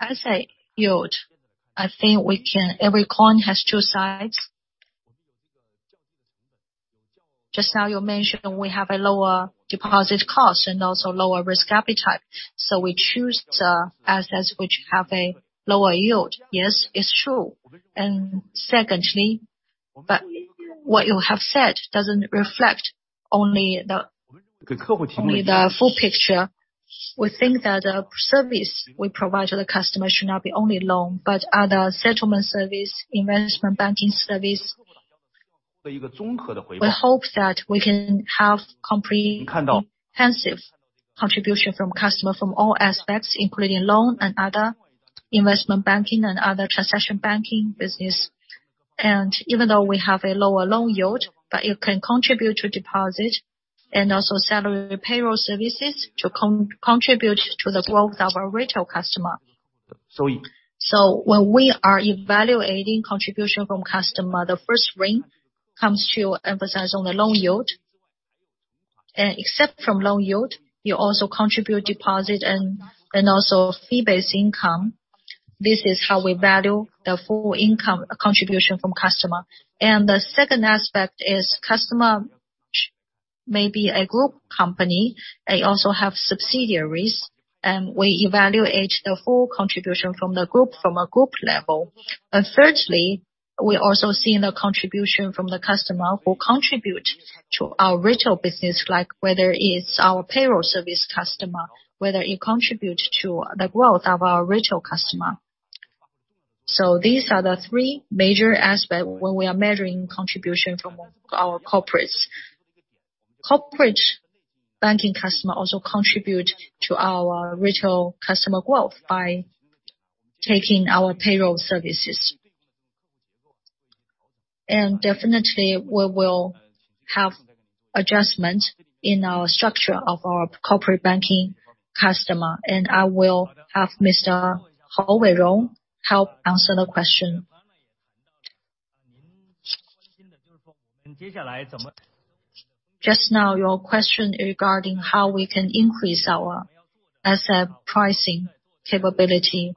asset yield, I think we can. Every coin has two sides. Just now you mentioned we have a lower deposit cost and also lower risk appetite. We choose the assets which have a lower yield. Yes, it's true. Secondly, what you have said doesn't reflect only the full picture. We think that service we provide to the customer should not be only loan, but other settlement service, investment banking service. We hope that we can have comprehensive contribution from customer from all aspects, including loan and other investment banking and other transaction banking business. Even though we have a lower loan yield, but it can contribute to deposit and also salary payroll services to contribute to the growth of our retail customer. When we are evaluating contribution from customer, the first ring comes to emphasize on the loan yield. Except from loan yield, you also contribute deposit and also fee-based income. This is how we value the full income contribution from customer. The second aspect is customer, which may be a group company. They also have subsidiaries, and we evaluate the full contribution from the group from a group level. Thirdly, we also see the contribution from the customer who contribute to our retail business, like whether it's our payroll service customer, whether it contributes to the growth of our retail customer. These are the three major aspects when we are measuring contribution from our corporates. Corporate banking customer also contribute to our retail customer growth by taking our payroll services. Definitely, we will have adjustment in our structure of our corporate banking customer. I will have Mr. Hou Weirong help answer the question. Just now, your question regarding how we can increase our asset pricing capability.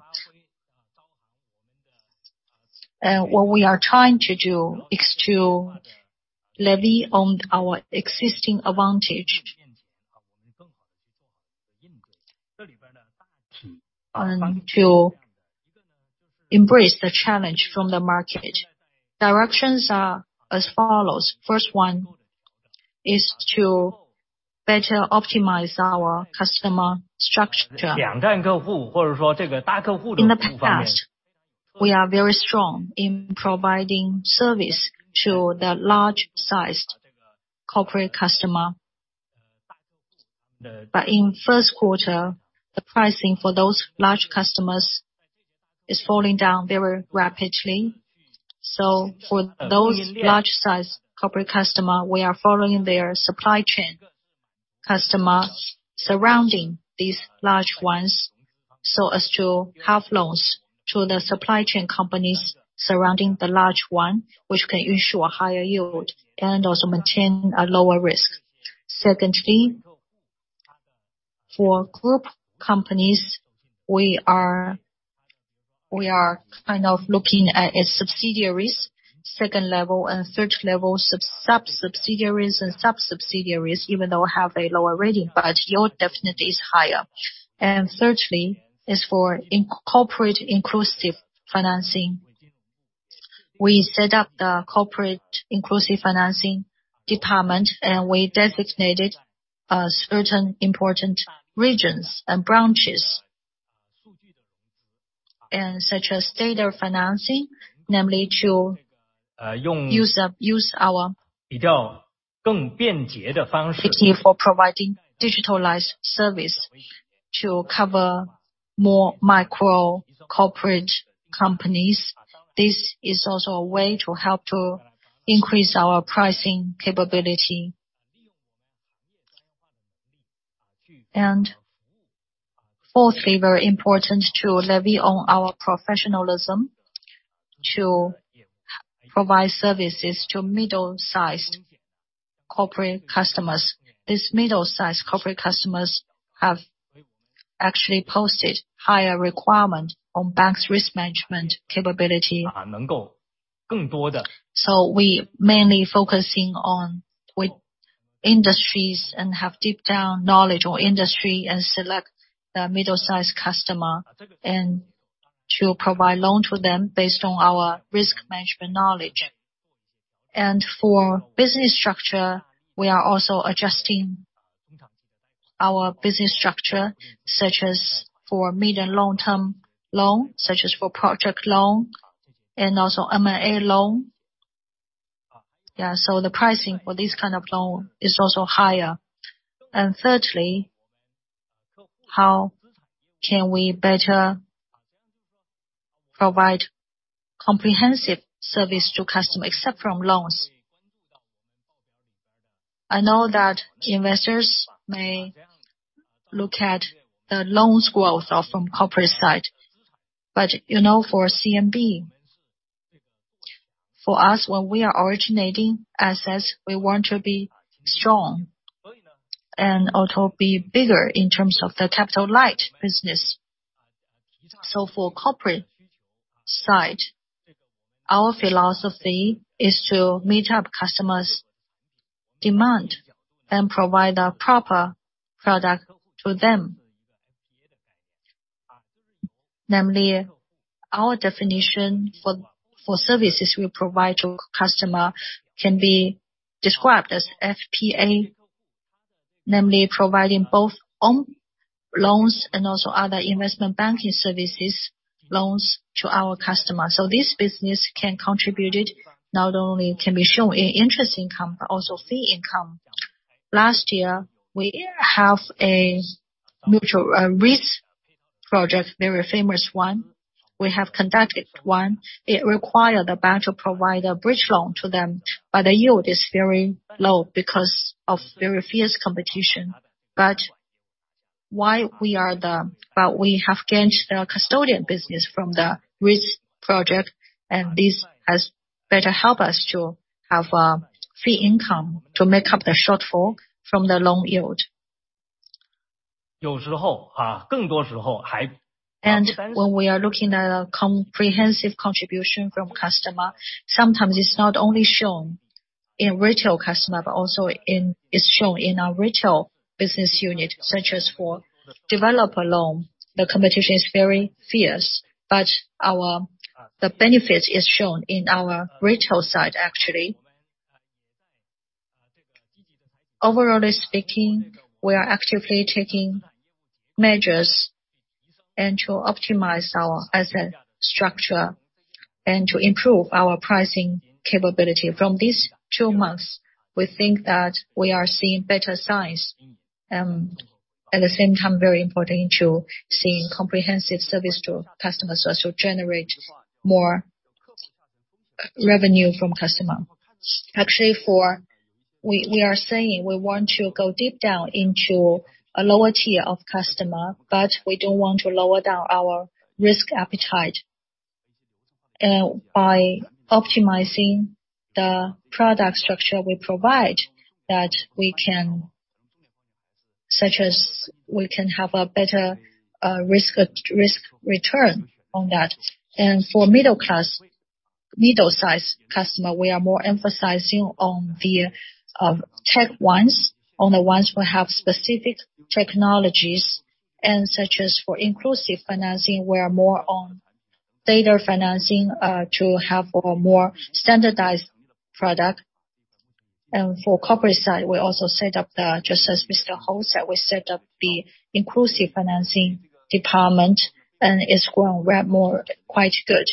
What we are trying to do is to levy on our existing advantage and to embrace the challenge from the market. Directions are as follows. First one is to better optimize our customer structure. In the past, we are very strong in providing service to the large-sized corporate customer. In first quarter, the pricing for those large customers is falling down very rapidly. For those large-sized corporate customer, we are following their supply chain customer surrounding these large ones, so as to have loans to the supply chain companies surrounding the large one, which can ensure higher yield and also maintain a lower risk. Secondly, for group companies, we are kind of looking at its subsidiaries, second level and third level sub-subsidiaries, even though have a lower rating, yield definitely is higher. Thirdly is for in corporate inclusive financing. We set up the corporate inclusive financing department, we designated certain important regions and branches. Such as debt financing, namely to use our ability for providing digitalized service to cover more micro corporate companies. This is also a way to help to increase our pricing capability. Fourthly, very important to levy on our professionalism to provide services to middle-sized corporate customers. These middle-sized corporate customers have actually posted higher requirement on bank's risk management capability. We mainly focusing on with industries and have deep down knowledge on industry and select the middle-sized customer and to provide loan to them based on our risk management knowledge. For business structure, we are also adjusting our business structure such as for mid and long-term loan, such as for project loan and also M&A loan. The pricing for this kind of loan is also higher. Thirdly, how can we better provide comprehensive service to customer except from loans? I know that investors may look at the loans growth or from corporate side. You know, for CMB, for us, when we are originating assets, we want to be strong and also be bigger in terms of the capital light business. For corporate side, our philosophy is to meet up customer's demand and provide a proper product to them. Namely, our definition for services we provide to customer can be described as FPA, namely providing both own loans and also other investment banking services loans to our customers. This business can contribute, not only can be shown in interest income, but also fee income. Last year, we have a mutual REIT project, very famous one. We have conducted one. It required the bank to provide a bridge loan to them, but the yield is very low because of very fierce competition. We have gained the custodian business from the REIT project. This has better help us to have a fee income to make up the shortfall from the loan yield. When we are looking at a comprehensive contribution from customer, sometimes it's not only shown in retail customer, but also it's shown in our retail business unit, such as for developer loan. The competition is very fierce. Our the benefit is shown in our retail side, actually. Overall speaking, we are actively taking measures and to optimize our asset structure and to improve our pricing capability. From these two months, we think that we are seeing better signs. At the same time, very important to seeing comprehensive service to customers so as to generate more revenue from customer. We are saying we want to go deep down into a lower tier of customer, but we don't want to lower down our risk appetite. By optimizing the product structure we provide that we can such as we can have a better risk return on that. For middle size customer, we are more emphasizing on the tech ones, on the ones who have specific technologies. Such as for inclusive finance, we are more on data financing to have a more standardized product. For corporate side, we also set up the. Just as Mr. Hou said, we set up the inclusive finance department and it's grown way more, quite good.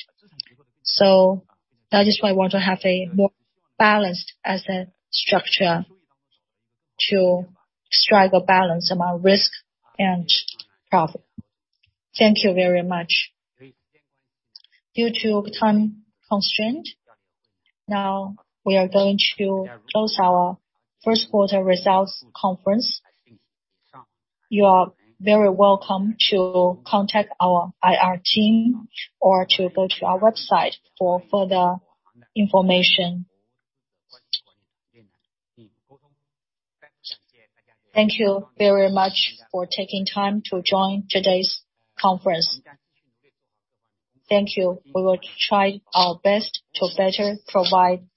That is why I want to have a more balanced asset structure to strike a balance among risk and profit. Thank you very much. Due to time constraint, now we are going to close our first quarter results conference. You are very welcome to contact our IR team or to go to our website for further information. Thank you very much for taking time to join today's conference. Thank you. We will try our best to better provide service.